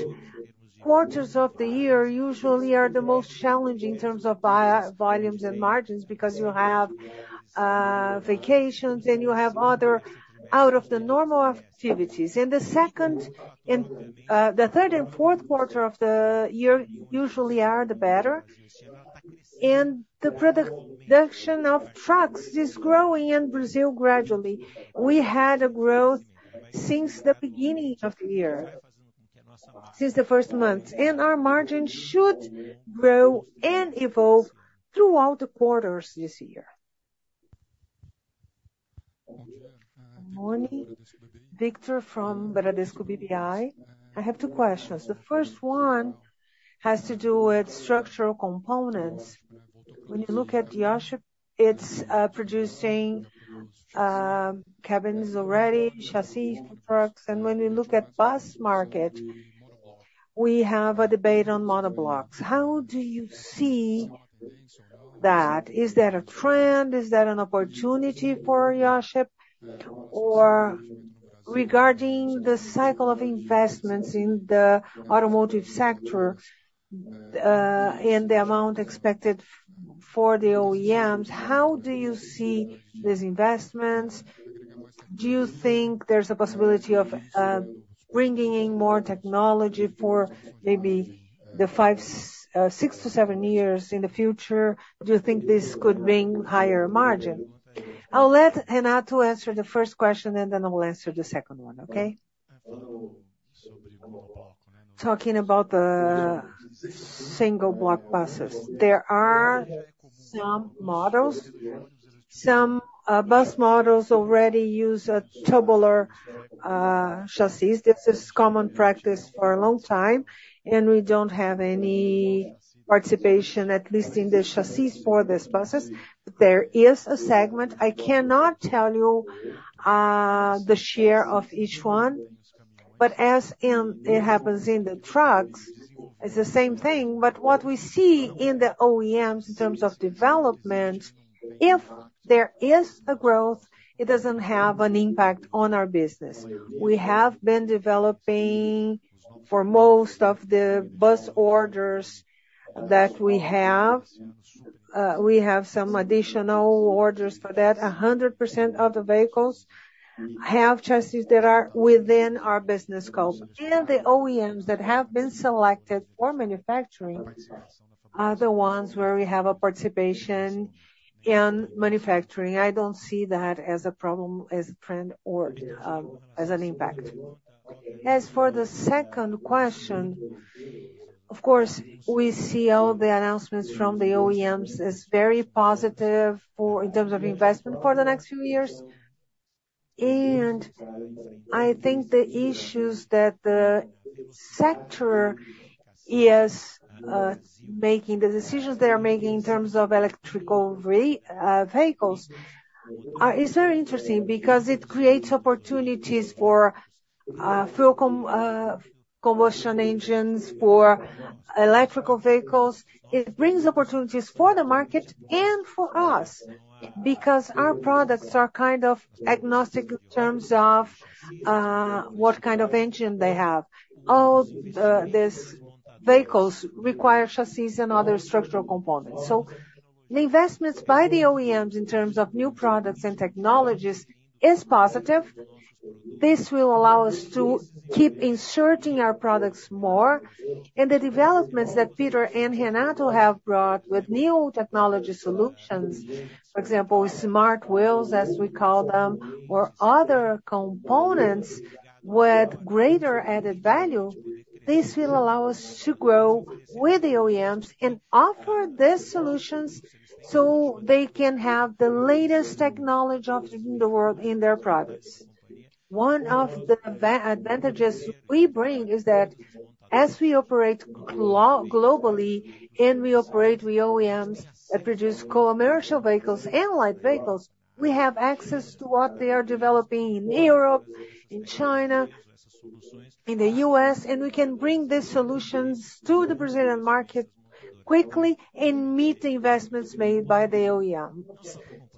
quarters of the year usually are the most challenging in terms of volumes and margins because you have vacations and you have other out-of-the-normal activities. And the third and fourth quarter of the year usually are the better. And the production of trucks is growing in Brazil gradually. We had a growth since the beginning of the year, since the first month. Our margins should grow and evolve throughout the quarters this year. Good morning. Victor from Bradesco BBI. I have two questions. The first one has to do with structural components. When you look at the. It's producing cabins already, chassis for trucks. And when you look at bus market, we have a debate on monoblocks. How do you see that? Is that a trend? Is that an opportunity for Iochpe? Or regarding the cycle of investments in the automotive sector and the amount expected for the OEMs, how do you see these investments? Do you think there's a possibility of bringing in more technology for maybe 6-7 years in the future? Do you think this could bring higher margin? I'll let Renato answer the first question, and then I'll answer the second one, okay? Talking about the monoblock buses, there are some models. Some bus models already use tubular chassis. This is common practice for a long time. We don't have any participation, at least in the chassis for these buses. There is a segment. I cannot tell you the share of each one. But as it happens in the trucks, it's the same thing. But what we see in the OEMs in terms of development, if there is a growth, it doesn't have an impact on our business. We have been developing for most of the bus orders that we have. We have some additional orders for that. 100% of the vehicles have chassis that are within our business scope. The OEMs that have been selected for manufacturing are the ones where we have a participation in manufacturing. I don't see that as a problem, as a trend, or as an impact. As for the second question, of course, we see all the announcements from the OEMs as very positive in terms of investment for the next few years. And I think the issues that the sector is making, the decisions they are making in terms of electric vehicles, are very interesting because it creates opportunities for fuel combustion engines, for electric vehicles. It brings opportunities for the market and for us because our products are kind of agnostic in terms of what kind of engine they have. All these vehicles require chassis and other structural components. So the investments by the OEMs in terms of new products and technologies are positive. This will allow us to keep inserting our products more. The developments that Pieter and Renato have brought with new technology solutions, for example, smart wheels, as we call them, or other components with greater added value, this will allow us to grow with the OEMs and offer these solutions so they can have the latest technology in the world in their products. One of the advantages we bring is that as we operate globally and we operate with OEMs that produce commercial vehicles and light vehicles, we have access to what they are developing in Europe, in China, in the U.S. We can bring these solutions to the Brazilian market quickly and meet the investments made by the OEMs.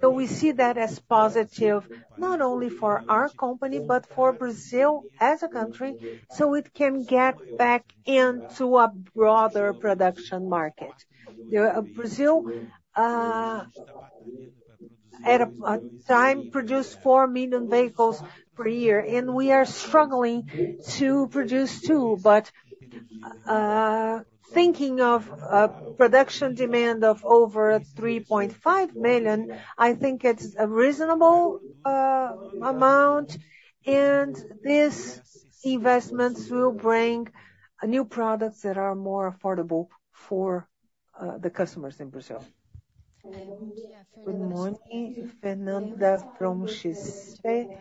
We see that as positive not only for our company but for Brazil as a country so it can get back into a broader production market. Brazil, at a time, produced 4 million vehicles per year. We are struggling to produce two. But thinking of production demand of over 3.5 million, I think it's a reasonable amount. These investments will bring new products that are more affordable for the customers in Brazil. Good morning, Fernanda from TC.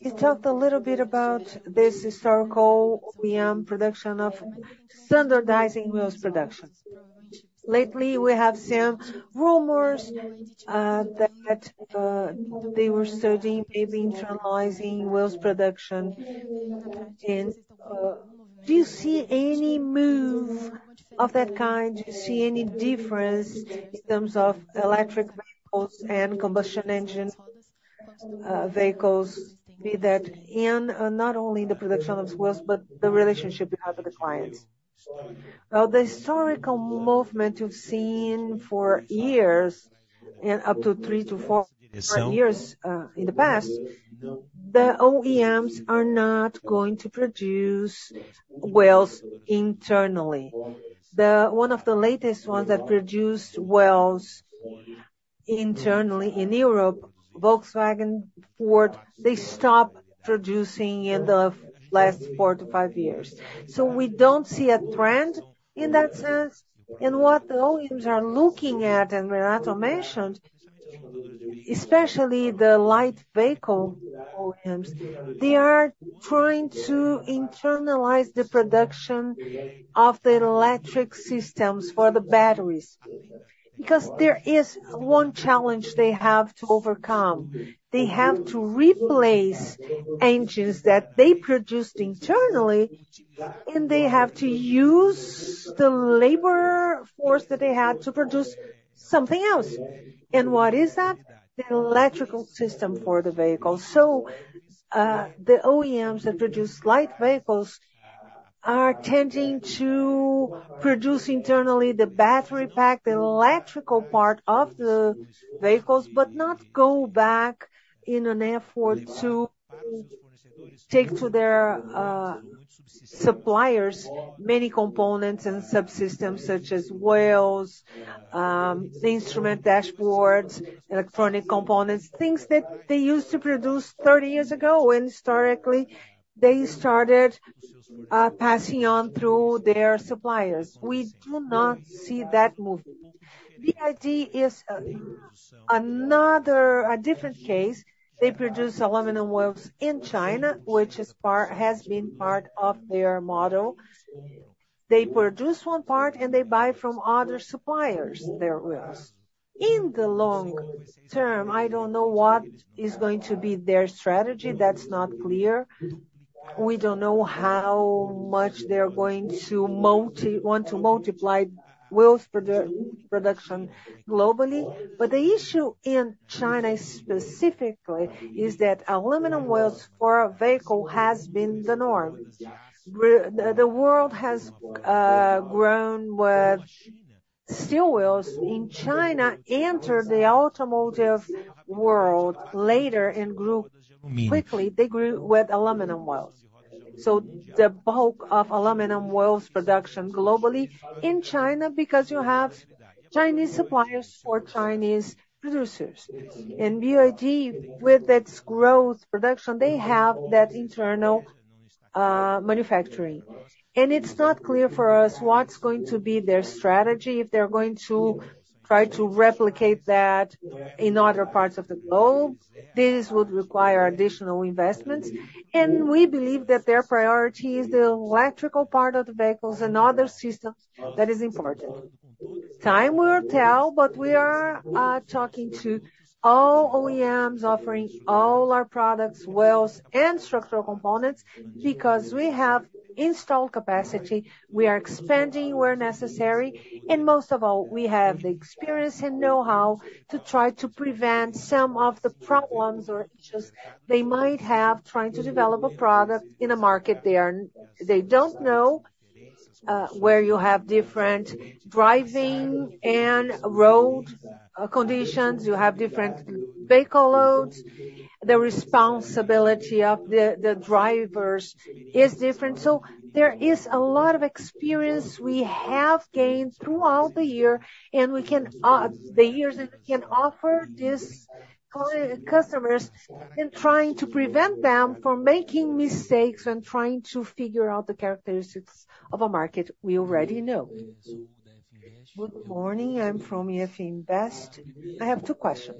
You talked a little bit about this historical OEM production of standardizing wheels production. Lately, we have some rumors that they were studying, maybe internalizing wheels production. Do you see any move of that kind? Do you see any difference in terms of electric vehicles and combustion engine vehicles, be that not only in the production of wheels but the relationship you have with the clients? Well, the historical movement you've seen for years and up to three to four years in the past, the OEMs are not going to produce wheels internally. One of the latest ones that produced wheels internally in Europe, Volkswagen, Ford, they stopped producing in the last 4-5 years. So we don't see a trend in that sense. And what the OEMs are looking at, and Renato mentioned, especially the light vehicle OEMs, they are trying to internalize the production of the electric systems for the batteries because there is one challenge they have to overcome. They have to replace engines that they produced internally. And they have to use the labor force that they had to produce something else. And what is that? The electrical system for the vehicle. So the OEMs that produce light vehicles are tending to produce internally the battery pack, the electrical part of the vehicles, but not go back in an effort to take to their suppliers many components and subsystems such as wheels, the instrument dashboards, electronic components, things that they used to produce 30 years ago. And historically, they started passing on through their suppliers. We do not see that movement. BYD is a different case. They produce aluminum wheels in China, which has been part of their model. They produce one part, and they buy from other suppliers their wheels. In the long term, I don't know what is going to be their strategy. That's not clear. We don't know how much they're going to want to multiply wheels production globally. But the issue in China specifically is that aluminum wheels for a vehicle have been the norm. The world has grown with steel wheels. In China, entered the automotive world later and grew quickly. They grew with aluminum wheels. So the bulk of aluminum wheels production globally in China because you have Chinese suppliers for Chinese producers. And BYD, with its growth production, they have that internal manufacturing. And it's not clear for us what's going to be their strategy. If they're going to try to replicate that in other parts of the globe, this would require additional investments. And we believe that their priority is the electrical part of the vehicles and other systems that is important. Time will tell. But we are talking to all OEMs offering all our products, wheels, and structural components because we have installed capacity. We are expanding where necessary. Most of all, we have the experience and know-how to try to prevent some of the problems or issues they might have trying to develop a product in a market they don't know where you have different driving and road conditions. You have different vehicle loads. The responsibility of the drivers is different. So there is a lot of experience we have gained throughout the year. And the years that we can offer these customers and trying to prevent them from making mistakes and trying to figure out the characteristics of a market we already know. Good morning. I'm from Iefim Best. I have two questions.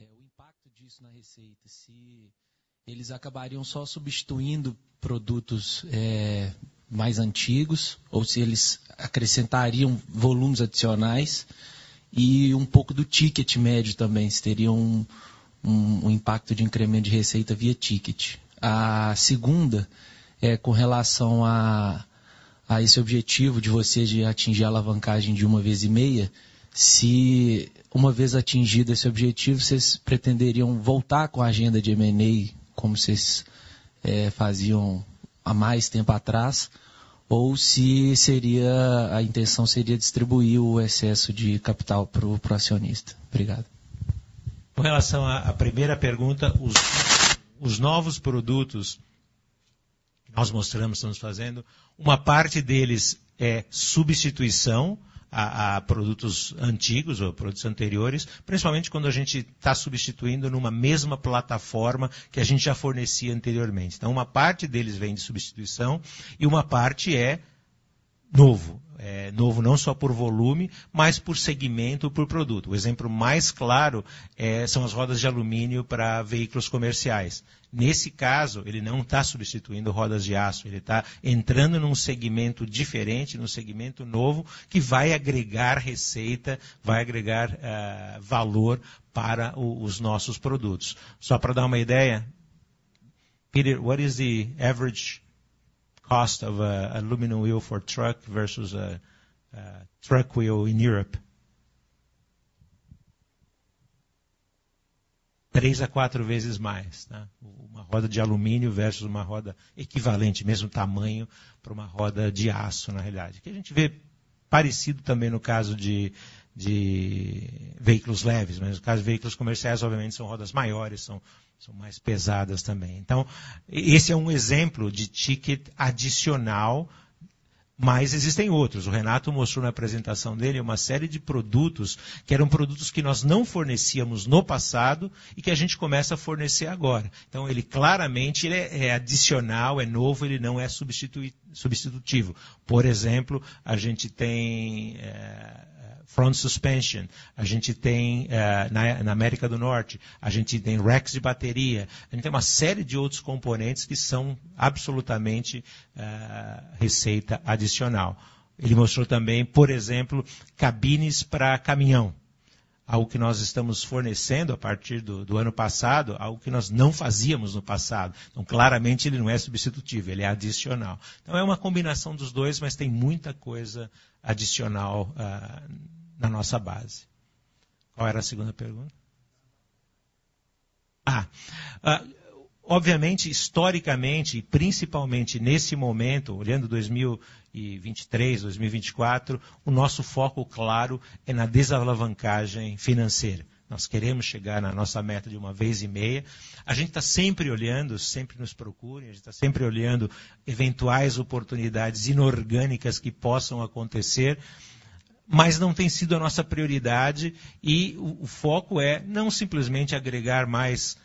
O impacto disso na receita, se eles acabariam só substituindo produtos mais antigos ou se eles acrescentariam volumes adicionais e no ticket médio também, se teria impacto de incremento de receita via ticket? A segunda é com relação a esse objetivo de vocês de atingir a alavancagem de 1.5, se uma vez atingido esse objetivo vocês pretenderiam voltar com a agenda de M&A como vocês faziam há mais tempo atrás ou se a intenção seria distribuir o excesso de capital para o acionista? Obrigado. Com relação à primeira pergunta, os novos produtos que nós mostramos, estamos fazendo, uma parte deles é substituição a produtos antigos ou produtos anteriores, principalmente quando a gente está substituindo numa mesma plataforma que a gente já fornecia anteriormente. Então, uma parte deles vem de substituição e uma parte é novo, novo não só por volume, mas por segmento ou por produto. O exemplo mais claro são as rodas de alumínio para veículos comerciais. Nesse caso, ele não está substituindo rodas de aço. Ele está entrando num segmento diferente, num segmento novo que vai agregar receita, vai agregar valor para os nossos produtos. Só para dar uma ideia, Pieter, what is the average cost of an aluminum wheel for truck versus a truck wheel in Europe? 3-4 vezes mais, uma roda de alumínio versus uma roda equivalente, mesmo tamanho, para uma roda de aço, na realidade. O que a gente vê parecido também no caso de veículos leves, mas no caso de veículos comerciais, obviamente, são rodas maiores, são mais pesadas também. Então, esse é exemplo de ticket adicional, mas existem outros. O Renato mostrou na apresentação dele uma série de produtos que eram produtos que nós não fornecíamos no passado e que a gente começa a fornecer agora. Então, ele claramente é adicional, é novo, ele não é substitutivo. Por exemplo, a gente tem front suspension, a gente tem na América do Norte, a gente tem racks de bateria, a gente tem uma série de outros componentes que são absolutamente receita adicional. Ele mostrou também, por exemplo, cabines para caminhão, algo que nós estamos fornecendo a partir do ano passado, algo que nós não fazíamos no passado. Então, claramente, ele não é substitutivo, ele é adicional. Então, é uma combinação dos dois, mas tem muita coisa adicional na nossa base. Qual era a segunda pergunta? Obviamente, historicamente e principalmente nesse momento, olhando 2023, 2024, o nosso foco claro é na desalavancagem financeira. Nós queremos chegar na nossa meta de 1.5. A gente está sempre olhando, sempre nos procuram, a gente está sempre olhando eventuais oportunidades inorgânicas que possam acontecer, mas não tem sido a nossa prioridade. O foco é não simplesmente agregar mais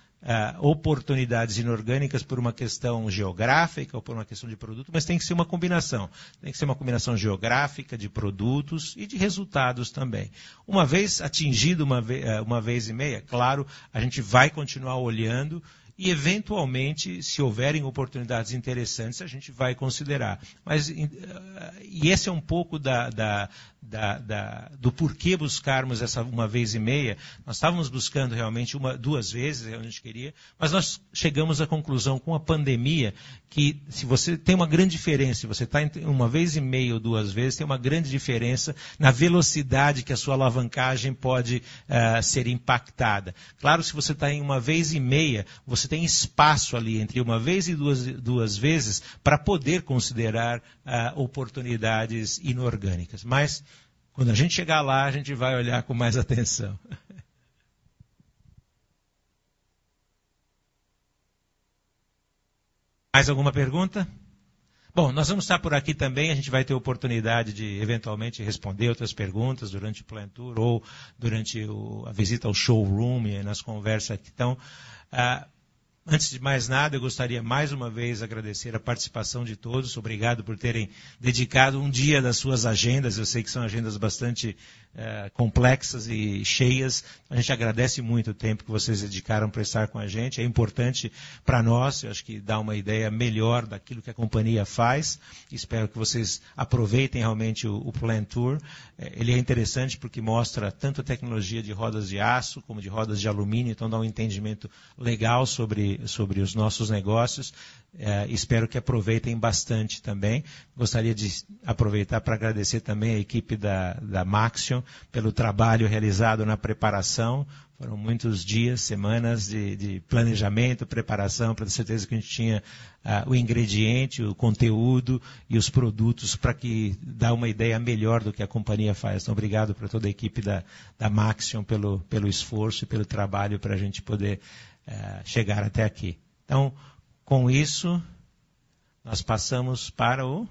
oportunidades inorgânicas por uma questão geográfica ou por uma questão de produto, mas tem que ser uma combinação. Tem que ser uma combinação geográfica de produtos e de resultados também. Uma vez atingido 1.5x, claro, a gente vai continuar olhando e, eventualmente, se houverem oportunidades interessantes, a gente vai considerar. Mas esse é pouco do porquê buscarmos essa 1.5x. Nós estávamos buscando realmente 1x, 2x, é o que a gente queria, mas nós chegamos à conclusão com a pandemia que, se você tem uma grande diferença, se você está em 1.5x, 2x, tem uma grande diferença na velocidade que a sua alavancagem pode ser impactada. Claro, se você está em 1.5x, você tem espaço ali entre 1x e 2x para poder considerar oportunidades inorgânicas. Mas quando a gente chegar lá, a gente vai olhar com mais atenção. Mais alguma pergunta? Bom, nós vamos estar por aqui também. A gente vai ter oportunidade de, eventualmente, responder outras perguntas durante o plant tour ou durante a visita ao showroom e nas conversas que estão. Antes de mais nada, eu gostaria, mais uma vez, de agradecer a participação de todos. Obrigado por terem dedicado o dia das suas agendas. Eu sei que são agendas bastante complexas e cheias. A gente agradece muito o tempo que vocês dedicaram para estar com a gente. É importante para nós, eu acho que dá uma ideia melhor daquilo que a companhia faz. Espero que vocês aproveitem realmente o plant tour. Ele é interessante porque mostra tanto a tecnologia de rodas de aço como de rodas de alumínio, então dá entendimento legal sobre os nossos negócios. Espero que aproveitem bastante também. Gostaria de aproveitar para agradecer também à equipe da Maxion pelo trabalho realizado na preparação. Foram muitos dias, semanas de planejamento, preparação, para ter certeza que a gente tinha o ingrediente, o conteúdo e os produtos para dar uma ideia melhor do que a companhia faz. Então, obrigado para toda a equipe da Maxion pelo esforço e pelo trabalho para a gente poder chegar até aqui. Então, com isso, nós passamos para o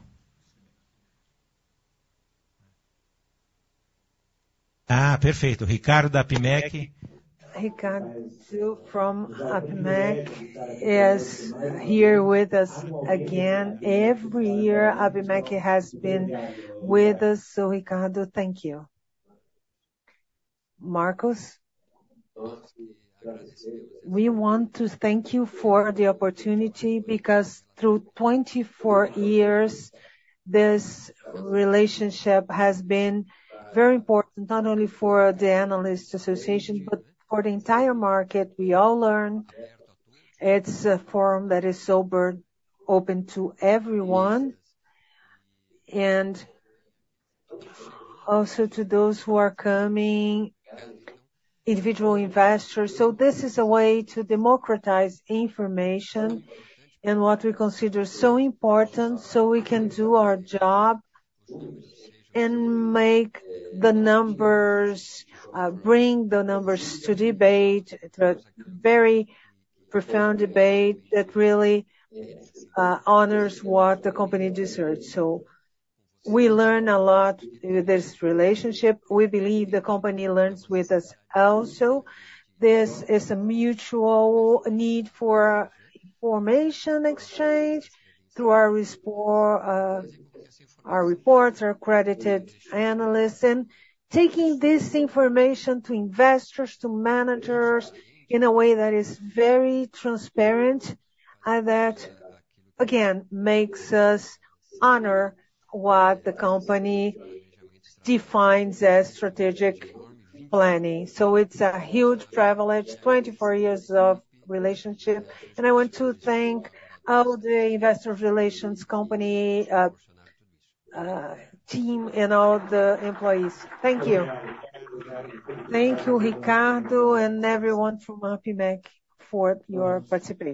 perfeito. Ricardo da Apimec. Ricardo, from Apimec, is here with us again. Every year, Apimec has been with us, so Ricardo, thank you. Marcos, we want to thank you for the opportunity because, through 24 years, this relationship has been very important, not only for the analysts' association but for the entire market. We all learned it's a forum that is sober, open to everyone, and also to those who are coming, individual investors. So this is a way to democratize information and what we consider so important so we can do our job and make the numbers, bring the numbers to debate, a very profound debate that really honors what the company deserves. So we learn a lot with this relationship. We believe the company learns with us also. This is a mutual need for information exchange through our reports, our accredited analysts, and taking this information to investors, to managers in a way that is very transparent and that, again, makes us honor what the company defines as strategic planning. So it's a huge privilege, 24 years of relationship. And I want to thank all the investor relations company, team, and all the employees. Thank you. Thank you, Ricardo, and everyone from Apimec for your participation.